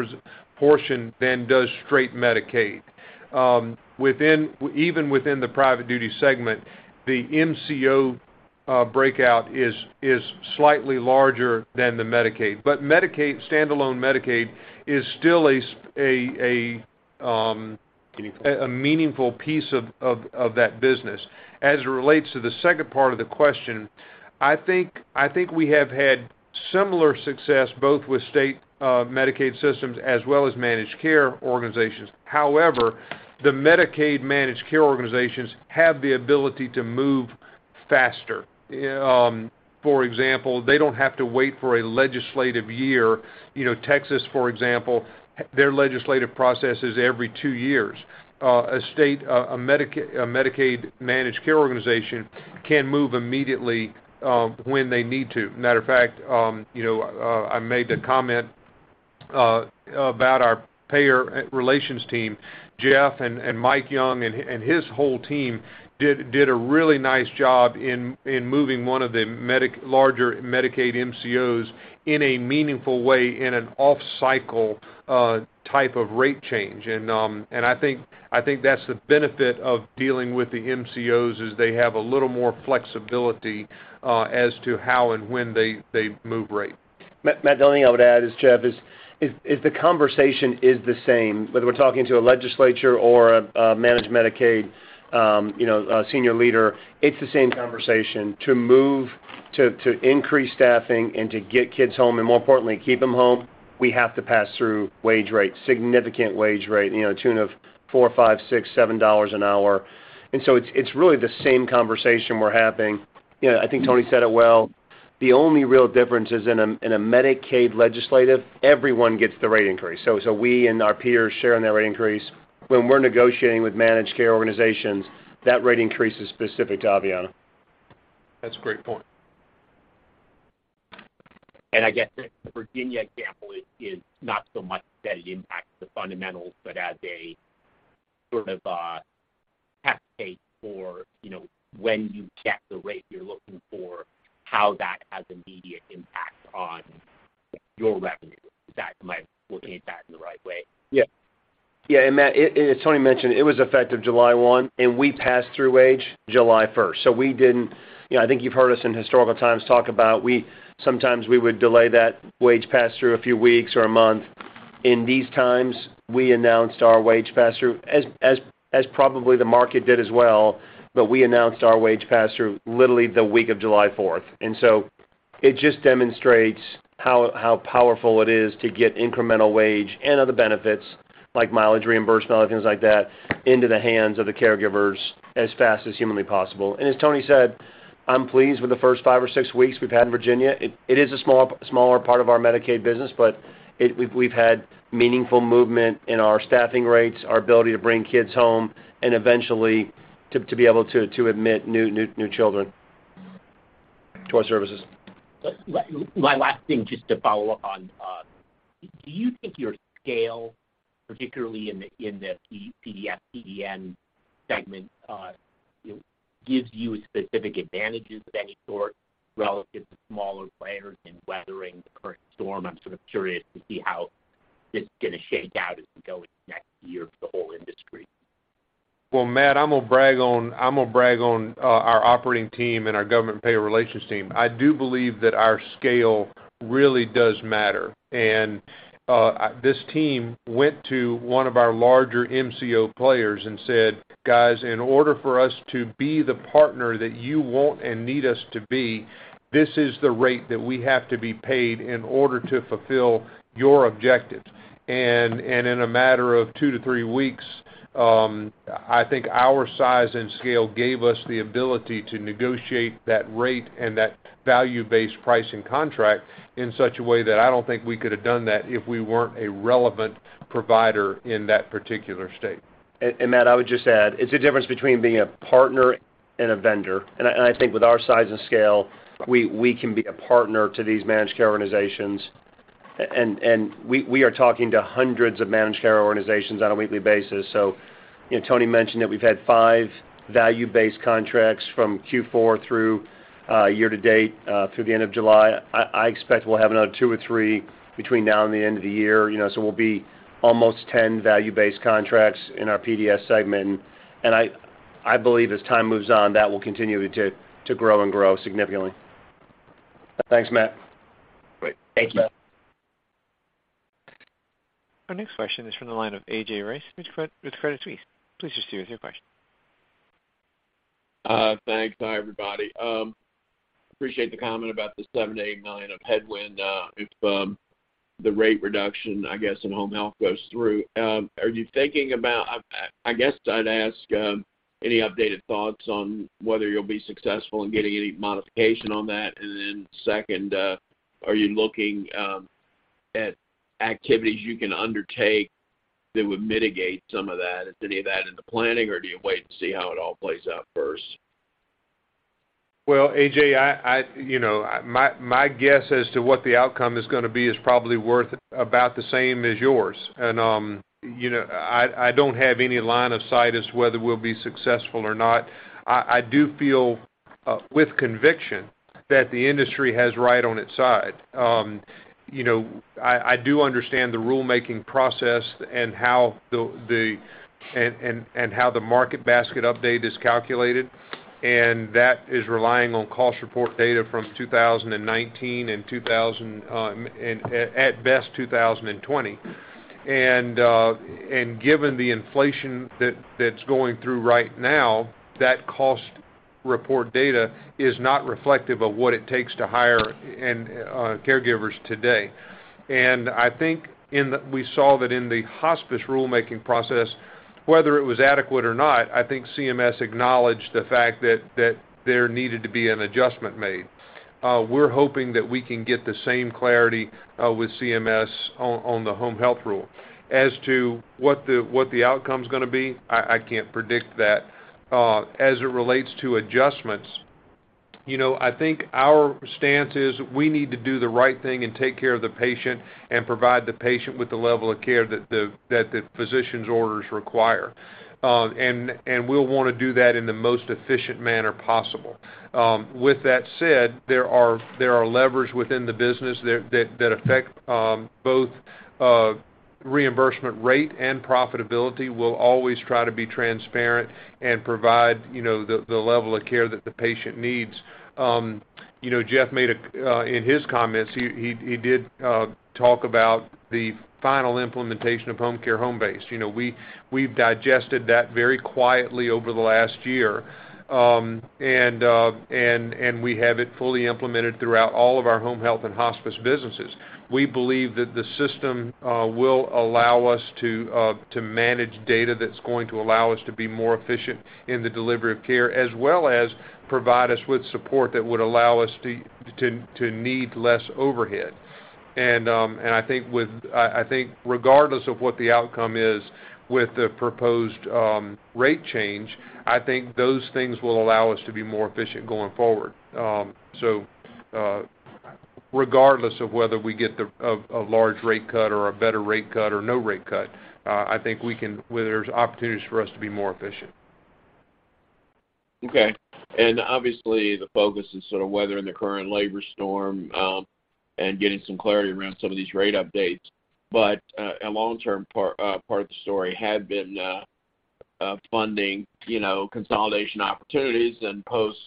portion than does straight Medicaid. Even within the private duty segment, the MCO breakout is slightly larger than Medicaid. Standalone Medicaid is still a Meaningful a meaningful piece of that business. As it relates to the second part of the question, I think we have had similar success both with state Medicaid systems as well as managed care organizations. However, the Medicaid managed care organizations have the ability to move faster. For example, they don't have to wait for a legislative year. You know, Texas, for example, their legislative process is every two years. A state, a Medicaid managed care organization can move immediately, when they need to. Matter of fact, you know, I made the comment about our payer relations team. Jeff and Mike Young and his whole team did a really nice job in moving one of the larger Medicaid MCOs in a meaningful way in an off-cycle type of rate change. I think that's the benefit of dealing with the MCOs is they have a little more flexibility as to how and when they move rate. Matt, the only thing I would add is, Jeff, if the conversation is the same, whether we're talking to a legislator or a managed Medicaid senior leader, you know, it's the same conversation. To increase staffing and to get kids home, and more importantly, keep them home, we have to pass through significant wage rate, you know, to the tune of $4, $5, $6, $7 an hour. It's really the same conversation we're having. You know, I think Tony said it well. The only real difference is in a Medicaid legislative, everyone gets the rate increase. We and our peers share in that rate increase. When we're negotiating with managed care organizations, that rate increase is specific to Aveanna. That's a great point. I guess the Virginia example is not so much that it impacts the fundamentals, but as a sort of a test case for, you know, when you get the rate you're looking for, how that has immediate impact on your revenue. Is that right, looking at that in the right way? Yeah. Matt, as Tony mentioned, it was effective July 1, and we passed through wage July 1st. I think you've heard us in historical times talk about sometimes we would delay that wage pass-through a few weeks or a month. In these times, we announced our wage pass-through as probably the market did as well, but we announced our wage pass-through literally the week of July 4. It just demonstrates how powerful it is to get incremental wage and other benefits like mileage reimbursement, other things like that, into the hands of the caregivers as fast as humanly possible. As Tony said, I'm pleased with the first five or six weeks we've had in Virginia. It is a smaller part of our Medicaid business, but we've had meaningful movement in our staffing rates, our ability to bring kids home and eventually to be able to admit new children to our services. My last thing, just to follow up on, do you think your scale, particularly in the PDS, PDN segment, gives you specific advantages of any sort relative to smaller players in weathering the current storm? I'm sort of curious to see how this is going to shake out as we go into next year for the whole industry. Well, Matt, I'm going to brag on our operating team and our government payer relations team. I do believe that our scale really does matter. And this team went to one of our larger MCO players and said, "Guys, in order for us to be the partner that you want and need us to be, this is the rate that we have to be paid in order to fulfill your objectives." In a matter of two-three weeks, I think our size and scale gave us the ability to negotiate that rate and that value-based pricing contract in such a way that I don't think we could have done that if we weren't a relevant provider in that particular state. Matt, I would just add, it's the difference between being a partner and a vendor. I think with our size and scale, we can be a partner to these managed care organizations. We are talking to hundreds of managed care organizations on a weekly basis. Tony mentioned that we've had five value-based contracts from Q4 through year to date through the end of July. I expect we'll have another two or three between now and the end of the year. We'll be almost 10 value-based contracts in our PDS segment. I believe as time moves on, that will continue to grow and grow significantly. Thanks, Matt. Great. Thank you. Our next question is from the line of A.J. Rice with Credit Suisse. Please proceed with your question. Thanks. Hi, everybody. Appreciate the comment about the $7 million-$8 million of headwind, if the rate reduction, I guess, in home health goes through. I guess I'd ask any updated thoughts on whether you'll be successful in getting any modification on that? And then second, are you looking at activities you can undertake that would mitigate some of that? Is any of that in the planning, or do you wait to see how it all plays out first? Well A.J., you know, my guess as to what the outcome is going to be is probably worth about the same as yours. You know, I don't have any line of sight as to whether we'll be successful or not. I do feel with conviction that the industry has right on its side. You know, I do understand the rulemaking process and how the market basket update is calculated, and that is relying on cost report data from 2019 and, at best, 2020. And given the inflation that's going through right now, that cost report data is not reflective of what it takes to hire caregivers today. And I think we saw that in the hospice rulemaking process, whether it was adequate or not. I think CMS acknowledged the fact that there needed to be an adjustment made. We're hoping that we can get the same clarity with CMS on the home health rule. As to what the outcome is going to be, I can't predict that. As it relates to adjustments, you know, I think our stance is we need to do the right thing and take care of the patient and provide the patient with the level of care that the physician's orders require. And we'll want to do that in the most efficient manner possible. With that said, there are levers within the business that affect both reimbursement rate and profitability. We'll always try to be transparent and provide the level of care that the patient needs. Jeff, in his comments, he did talk about the final implementation of Homecare Homebase. We've digested that very quietly over the last year. And we have it fully implemented throughout all of our Home Health & Hospice businesses. We believe that the system will allow us to manage data that's going to allow us to be more efficient in the delivery of care, as well as provide us with support that would allow us to need less overhead. And I think regardless of what the outcome is with the proposed rate change, I think those things will allow us to be more efficient going forward. Regardless of whether we get a large rate cut or a better rate cut or no rate cut, I think where there's opportunities for us to be more efficient. Okay. And obviously, the focus is sort of weathering the current labor storm and getting some clarity around some of these rate updates. But a long-term part of the story had been funding, you know, consolidation opportunities and post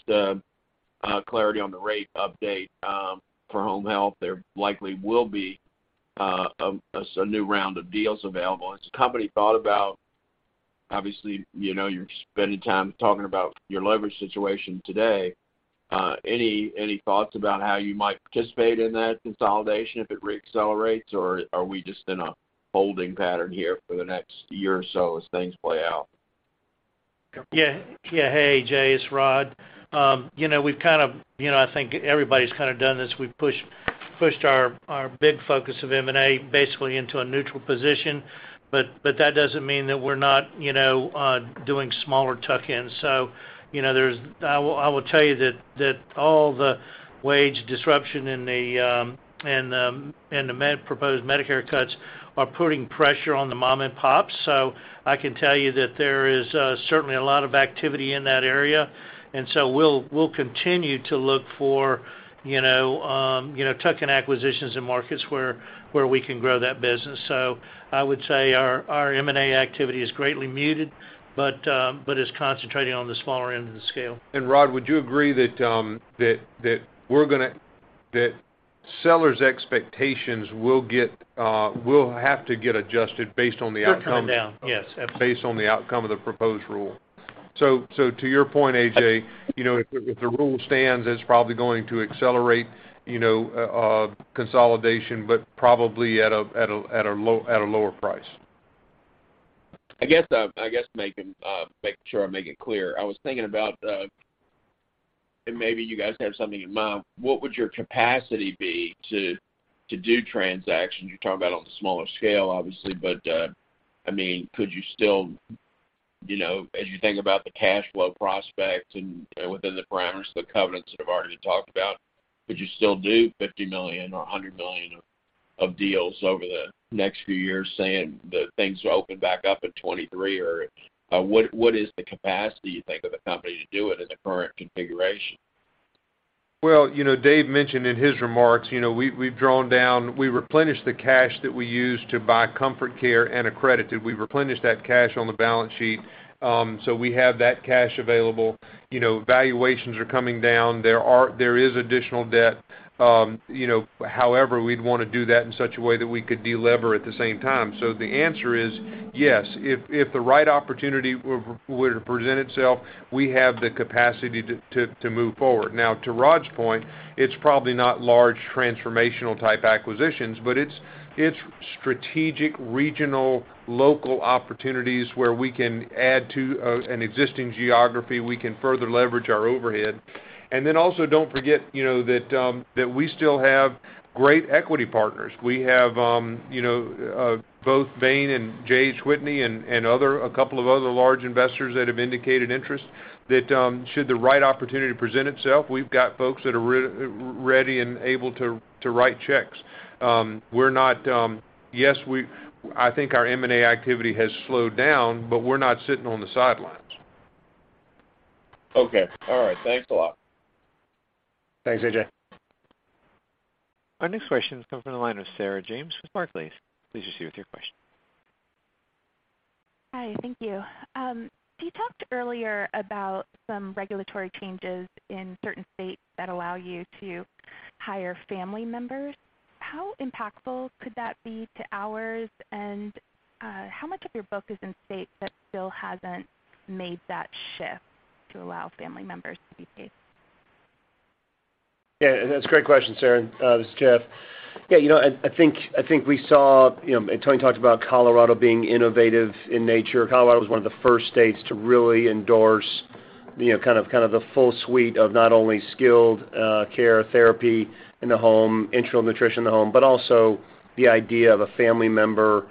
clarity on the rate update for home health. There likely will be a new round of deals available. Has the company thought about, obviously, you know, you're spending time talking about your leverage situation today, any thoughts about how you might participate in that consolidation if it re-accelerates, or are we just in a holding pattern here for the next year or so as things play out? Hey, A.J., it's Rod. You know, we've kind of, you know, I think everybody's kind of done this. We've pushed our big focus of M&A basically into a neutral position, but that doesn't mean that we're not doing smaller tuck-ins. You know, there's I will tell you that all the wage disruption in the proposed Medicare cuts are putting pressure on the mom-and-pops. So I can tell you that there is certainly a lot of activity in that area, and we'll continue to look for tuck-in acquisitions in markets where we can grow that business. I would say our M&A activity is greatly muted, but is concentrating on the smaller end of the scale. Rod, would you agree that sellers' expectations will have to get adjusted based on the outcome? They're coming down, yes. Absolutely. Based on the outcome of the proposed rule. So to your point, A.J., you know, if the rule stands, it's probably going to accelerate, you know, consolidation, but probably at a lower price. I guess making sure I make it clear, I was thinking about and maybe you guys have something in mind, what would your capacity be to do transactions? You're talking about on the smaller scale, obviously, but I mean, could you still, you know, as you think about the cash flow prospect and you know within the parameters of the covenants that I've already talked about, could you still do $50 million or $100 million of deals over the next few years, saying that things open back up in 2023? Or what is the capacity you think of the company to do it in the current configuration? Well, you know, David mentioned in his remarks, you know, we replenished the cash that we used to buy Comfort Care and Accredited. We replenished that cash on the balance sheet, so we have that cash available. You know, valuations are coming down. There is additional debt. You know, however, we'd wanna do that in such a way that we could delever at the same time. So the answer is yes. If the right opportunity were to present itself, we have the capacity to move forward. Now to Rod's point, it's probably not large transformational type acquisitions, but it's strategic, regional, local opportunities where we can add to an existing geography, we can further leverage our overhead. And then also don't forget, you know, that we still have great equity partners. We have, you know, both Bain and J.H. Whitney and other, a couple of other large investors that have indicated interest that, should the right opportunity present itself, we've got folks that are ready and able to write checks. Were not... Yes, I think our M&A activity has slowed down, but we're not sitting on the sidelines. Okay. All right. Thanks a lot. Thanks, A.J. Our next question is coming from the line with Sarah James with Barclays. Please proceed with your question. Hi. Thank you. You talked earlier about some regulatory changes in certain states that allow you to hire family members. How impactful could that be to hours, and how much of your book is in states that still hasn't made that shift to allow family members to be paid? Yeah, that's a great question, Sarah. This is Jeff. Yeah, you know, I think we saw, you know, and Tony talked about Colorado being innovative in nature. Colorado was one of the first states to really endorse, you know, kind of the full suite of not only skilled care therapy in the home, enteral nutrition in the home, but also the idea of a family member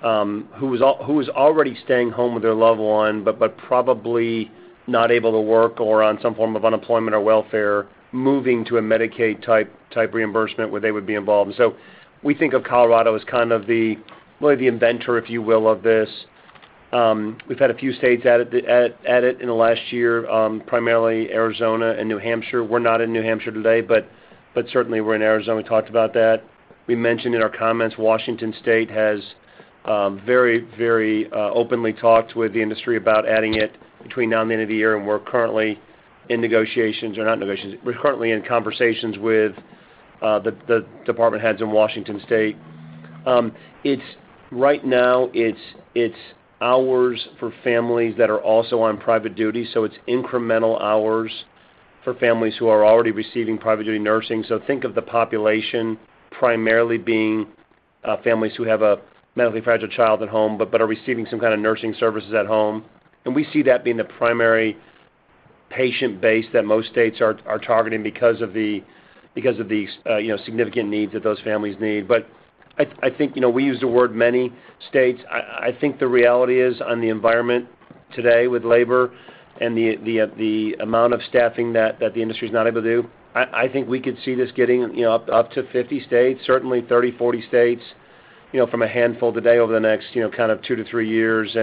who was already staying home with their loved one, but probably not able to work or on some form of unemployment or welfare, moving to a Medicaid type reimbursement where they would be involved. So we think of Colorado as kind of really the inventor, if you will, of this. We've had a few states add it in the last year, primarily Arizona and New Hampshire. We're not in New Hampshire today, but certainly we're in Arizona. We talked about that. We mentioned in our comments, Washington State has very openly talked with the industry about adding it between now and the end of the year, and we're currently in conversations with the department heads in Washington State. Right now, it's hours for families that are also on private duty, so it's incremental hours for families who are already receiving private duty nursing. So I think of the population primarily being families who have a medically fragile child at home but are receiving some kind of nursing services at home. But we see that being the primary patient base that most states are targeting because of the, you know, significant needs that those families need. But I think, you know, we use the word many states. I think the reality is in the environment today with labor and the amount of staffing that the industry is not able to do. I think we could see this getting, you know, up to 50 states, certainly 30, 40 states, you know, from a handful today over the next, you know, kind of two-three years.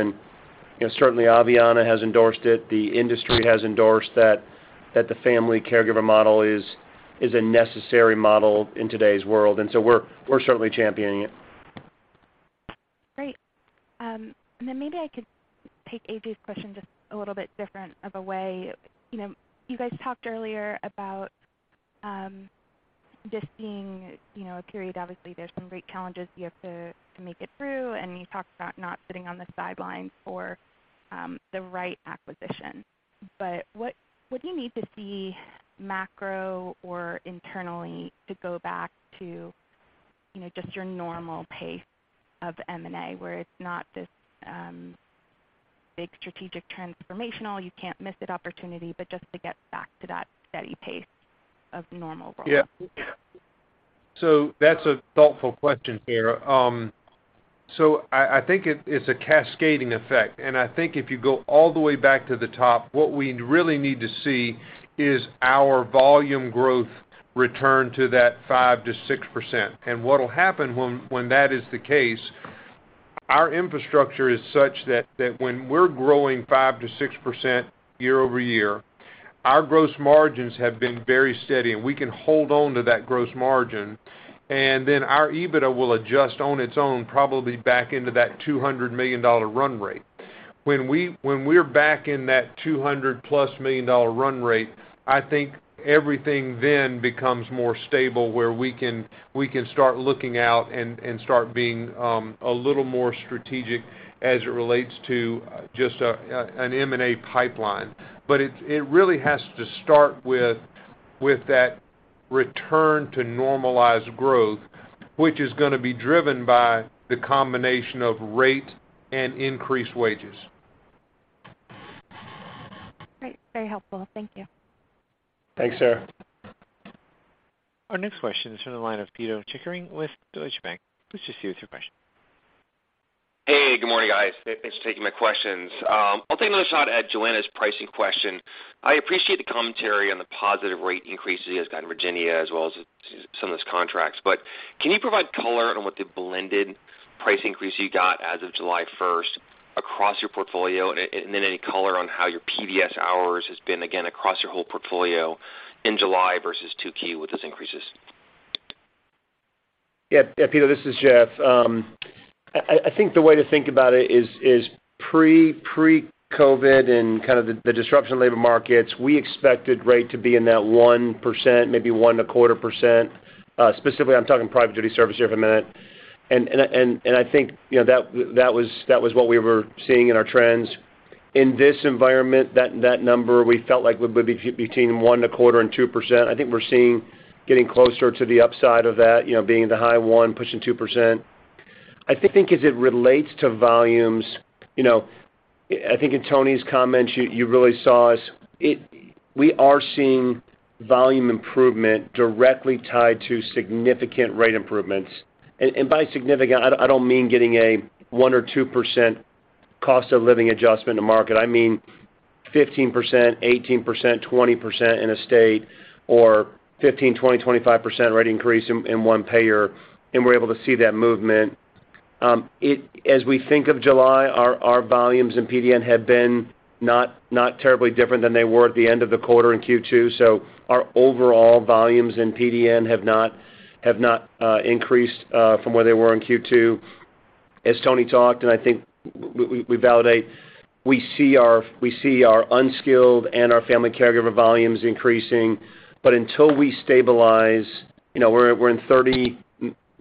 You know, certainly Aveanna has endorsed it. The industry has endorsed that the family caregiver model is a necessary model in today's world, and so we're certainly championing it. Great. Maybe I could take A.J.'s question just a little bit different way. You know, you guys talked earlier about just seeing, you know, a period. Obviously, there's some great challenges you have to make it through, and you talked about not sitting on the sidelines for the right acquisition. What do you need to see macro or internally to go back to, you know, just your normal pace of M&A, where it's not this big strategic transformational, you can't miss it opportunity, but just to get back to that steady pace of normal growth? Yeah. So that's a thoughtful question, Sarah. I think it's a cascading effect. And I think if you go all the way back to the top, what we really need to see is our volume growth return to that 5%-6%. And what'll happen when that is the case, our infrastructure is such that when we're growing 5%-6% year-over-year, our gross margins have been very steady, and we can hold on to that gross margin, and then our EBITDA will adjust on its own, probably back into that $200 million run rate. When we're back in that $200+ million run rate, I think everything then becomes more stable, where we can start looking out and start being a little more strategic as it relates to just an M&A pipeline. But it really has to start with that return to normalized growth, which is gonna be driven by the combination of rate and increased wages. Great. Very helpful. Thank you. Thanks, Sarah. Our next question is from the line of Pito Chickering with Deutsche Bank. Please just state your question. Hey, good morning, guys. Thanks for taking my questions. I'll take another shot at Joanna's pricing question. I appreciate the commentary on the positive rate increases you guys got in Virginia as well as some of those contracts. Can you provide color on what the blended price increase you got as of July first across your portfolio? Any color on how your PDS hours has been, again, across your whole portfolio in July versus 2Q with those increases? Yeah, Pito, this is Jeff. I think the way to think about it is pre-COVID and kind of the disruption in labor markets, we expected rate to be in that 1%, maybe 1.25%, specifically, I'm talking Private Duty Services here for a minute. And I think, you know, that was what we were seeing in our trends. In this environment, that number, we felt like would be between 1.25% and 2%. I think we're seeing getting closer to the upside of that, you know, being the high 1%, pushing 2%. I think as it relates to volumes, you know, I think in Tony's comments, you really saw us. We are seeing volume improvement directly tied to significant rate improvements. By significant, I don't mean getting a one or two percent cost of living adjustment to market. I mean 15%, 18%, 20% in a state or 15%, 20%, 25% rate increase in one payer, and we're able to see that movement. As we think of July, our volumes in PDN have been not terribly different than they were at the end of the quarter in Q2. Our overall volumes in PDN have not increased from where they were in Q2. As Tony talked, and I think we validate, we see our unskilled and our family caregiver volumes increasing. Until we stabilize, you know, we're in 30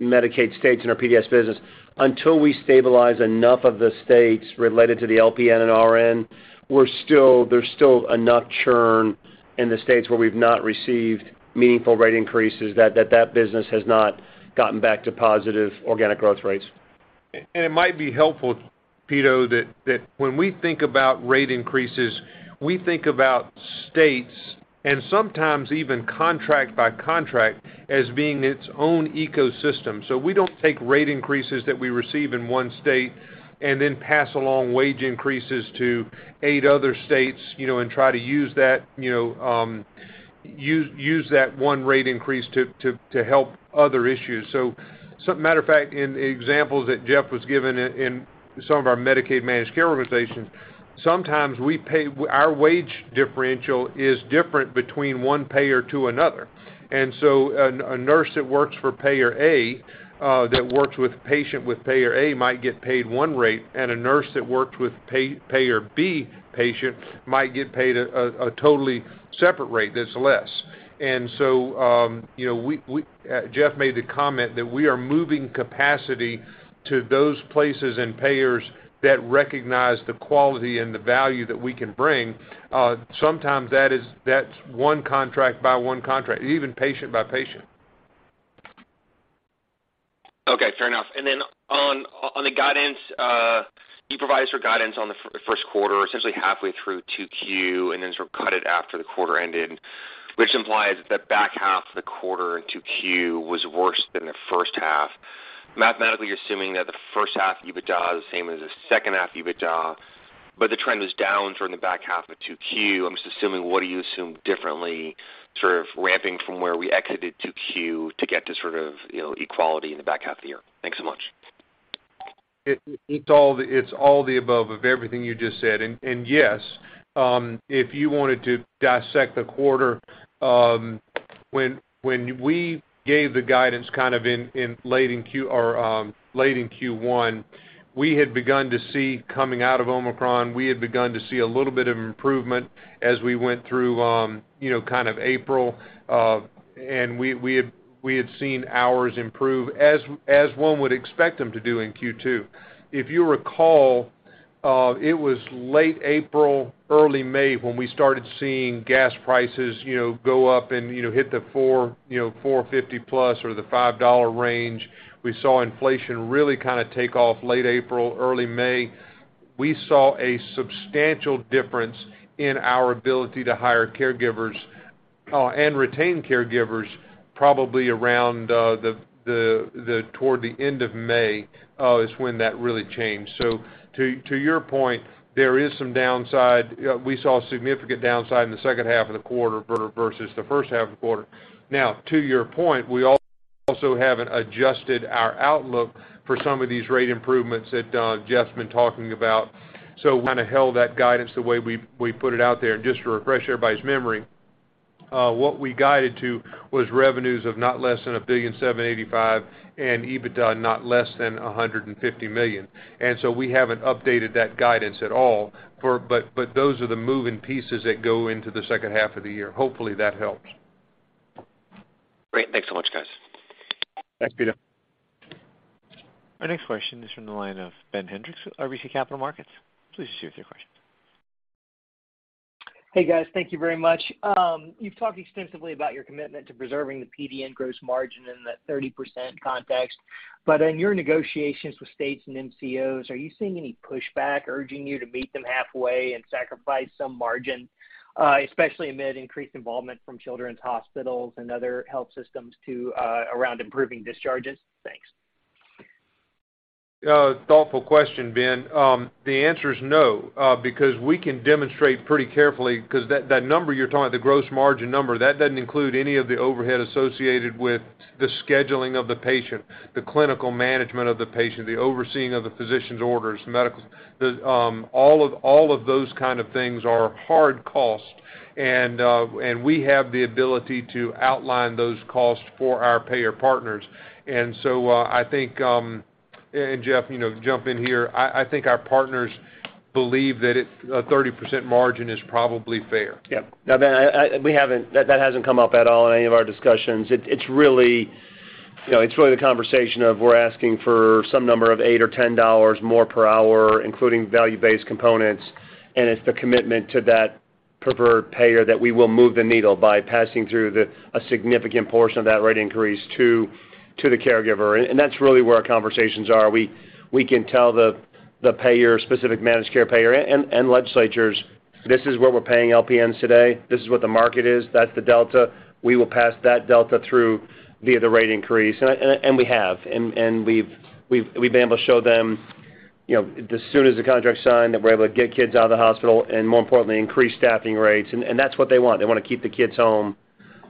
Medicaid states in our PDS business. Until we stabilize enough of the states related to the LPN and RN, there's still enough churn in the states where we've not received meaningful rate increases that that business has not gotten back to positive organic growth rates. It might be helpful, Pito, that when we think about rate increases, we think about states and sometimes even contract by contract as being its own ecosystem. We don't take rate increases that we receive in one state and then pass along wage increases to eight other states, you know, and try to use that, you know, use that one rate increase to help other issues. So as a matter of fact, in the examples that Jeff was giving in some of our Medicaid managed care organizations, sometimes we pay, our wage differential is different between one payer to another. And so a nurse that works for payer A that works with a patient with payer A might get paid one rate, and a nurse that works with payer B patient might get paid a totally separate rate that's less. You know, Jeff made the comment that we are moving capacity to those places and payers that recognize the quality and the value that we can bring. Sometimes that's one contract by one contract, even patient by patient. Okay, fair enough. Then on the guidance, you provided your guidance on the first quarter, essentially halfway through 2Q, and then sort of cut it after the quarter ended, which implies that back half of the quarter in 2Q was worse than the first half. Mathematically assuming that the first half EBITDA is the same as the second half EBITDA, but the trend was down during the back half of 2Q, I'm just assuming what do you assume differently sort of ramping from where we exited 2Q to get to sort of, you know, equality in the back half of the year? Thanks so much. It's all the above of everything you just said. Yes, if you wanted to dissect the quarter, when we gave the guidance kind of in late in Q1, we had begun to see a little bit of improvement coming out of Omicron as we went through kind of April. We had seen hours improve as one would expect them to do in Q2. If you recall, it was late April, early May when we started seeing gas prices go up and hit the $4.50+ or the $5 range. We saw inflation really kinda take off late April, early May. We saw a substantial difference in our ability to hire caregivers and retain caregivers probably around the end of May is when that really changed. So to your point, there is some downside. We saw significant downside in the second half of the quarter versus the first half of the quarter. Now, to your point, we also haven't adjusted our outlook for some of these rate improvements that Jeff's been talking about. So we kinda held that guidance the way we put it out there. Just to refresh everybody's memory, what we guided to was revenues of not less than $1.785 billion and EBITDA not less than $150 million. And so we haven't updated that guidance at all, but those are the moving pieces that go into the second half of the year. Hopefully that helps. Great. Thanks so much, guys. Thanks, Peter. Our next question is from the line of Ben Hendrix, RBC Capital Markets. Please proceed with your question. Hey, guys. Thank you very much. You've talked extensively about your commitment to preserving the PDN gross margin in that 30% context. In your negotiations with states and MCOs, are you seeing any pushback urging you to meet them halfway and sacrifice some margin, especially amid increased involvement from children's hospitals and other health systems to around improving discharges? Thanks. Thoughtful question, Ben. The answer is no, because we can demonstrate pretty carefully, 'cause that number you're talking, the gross margin number, that doesn't include any of the overhead associated with the scheduling of the patient, the clinical management of the patient, the overseeing of the physician's orders, medical. All of those kind of things are hard costs, and we have the ability to outline those costs for our payer partners. And so I think, and, Jeff, you know, jump in here. I think our partners believe that a 30% margin is probably fair. Yeah. No, Ben, we haven't. That hasn't come up at all in any of our discussions. It's really, you know, it's really the conversation of we're asking for some number of $8 or $10 more per hour, including value-based components, and it's the commitment to that preferred payer that we will move the needle by passing through a significant portion of that rate increase to the caregiver. And that's really where our conversations are. We can tell the payer, specific managed care payer and legislators, "This is what we're paying LPNs today. This is what the market is. That's the delta. We will pass that delta through via the rate increase." We have. And we've been able to show them, you know, as soon as the contract's signed, that we're able to get kids out of the hospital and more importantly, increase staffing rates, and that's what they want. They wanna keep the kids home.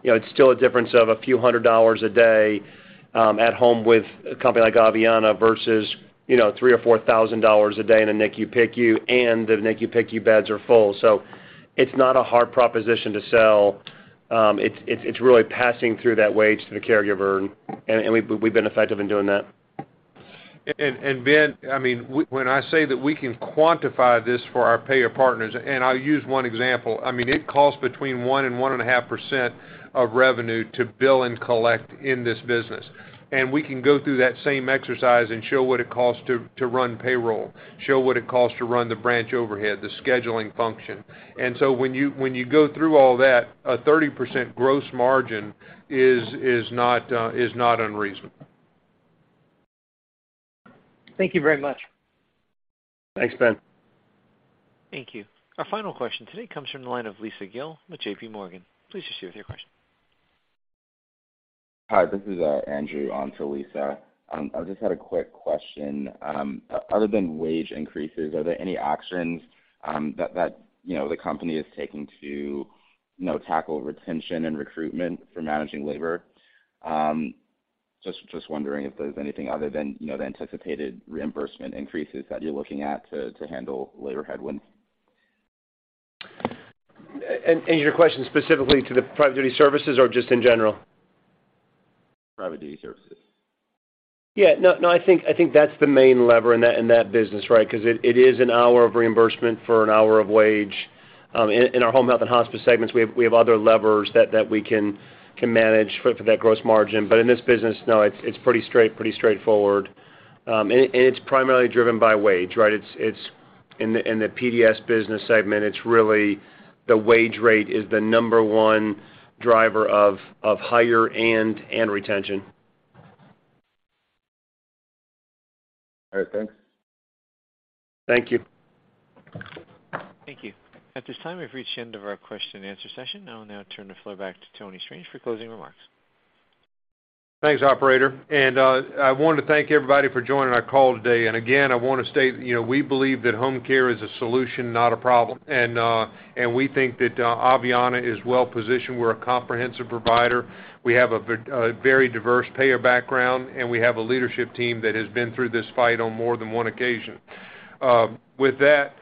You know, it's still a difference of a few hundred dollars a day at home with a company like Aveanna versus, you know, $3,000 or $4,000 a day in a NICU/PICU, and the NICU/PICU beds are full. So it's not a hard proposition to sell. It's really passing through that wage to the caregiver, and we've been effective in doing that. And Ben, I mean, when I say that we can quantify this for our payer partners, and I'll use one example. I mean, it costs between 1 and 1.5% of revenue to bill and collect in this business. And we can go through that same exercise and show what it costs to run payroll, show what it costs to run the branch overhead, the scheduling function. When you go through all that, a 30% gross margin is not unreasonable. Thank you very much. Thanks, Ben. Thank you. Our final question today comes from the line of Lisa Gill with J.P. Morgan. Please proceed with your question. Hi, this is Andrew on to Lisa. I just had a quick question. Other than wage increases, are there any actions that you know the company is taking to you know tackle retention and recruitment for managing labor? Just wondering if there's anything other than you know the anticipated reimbursement increases that you're looking at to handle labor headwinds. Your question's specifically to the Private Duty Services or just in general? Private Duty Services. Yeah. No, I think that's the main lever in that business, right? 'Cause it is an hour of reimbursement for an hour of wages. In our Home Health and Hospice segments, we have other levers that we can manage for that gross margin. But in this business, no, it's pretty straightforward. It's primarily driven by wages, right? It's in the PDS business segment, it's really the wage rate is the number one driver of hiring and retention. All right. Thanks. Thank you. Thank you. At this time, we've reached the end of our question and answer session. I will now turn the floor back to Tony Strange for closing remarks. Thanks, operator. And I want to thank everybody for joining our call today. I wanna state, you know, we believe that home care is a solution, not a problem. We think that Aveanna is well-positioned. We're a comprehensive provider. We have a very diverse payer background, and we have a leadership team that has been through this fight on more than one occasion. With that,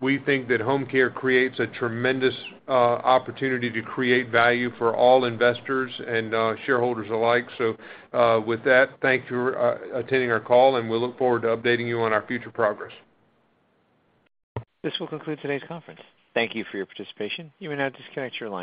we think that home care creates a tremendous opportunity to create value for all investors and shareholders alike. So with that, thank you for attending our call, and we look forward to updating you on our future progress. This will conclude today's conference. Thank you for your participation. You may now disconnect your line.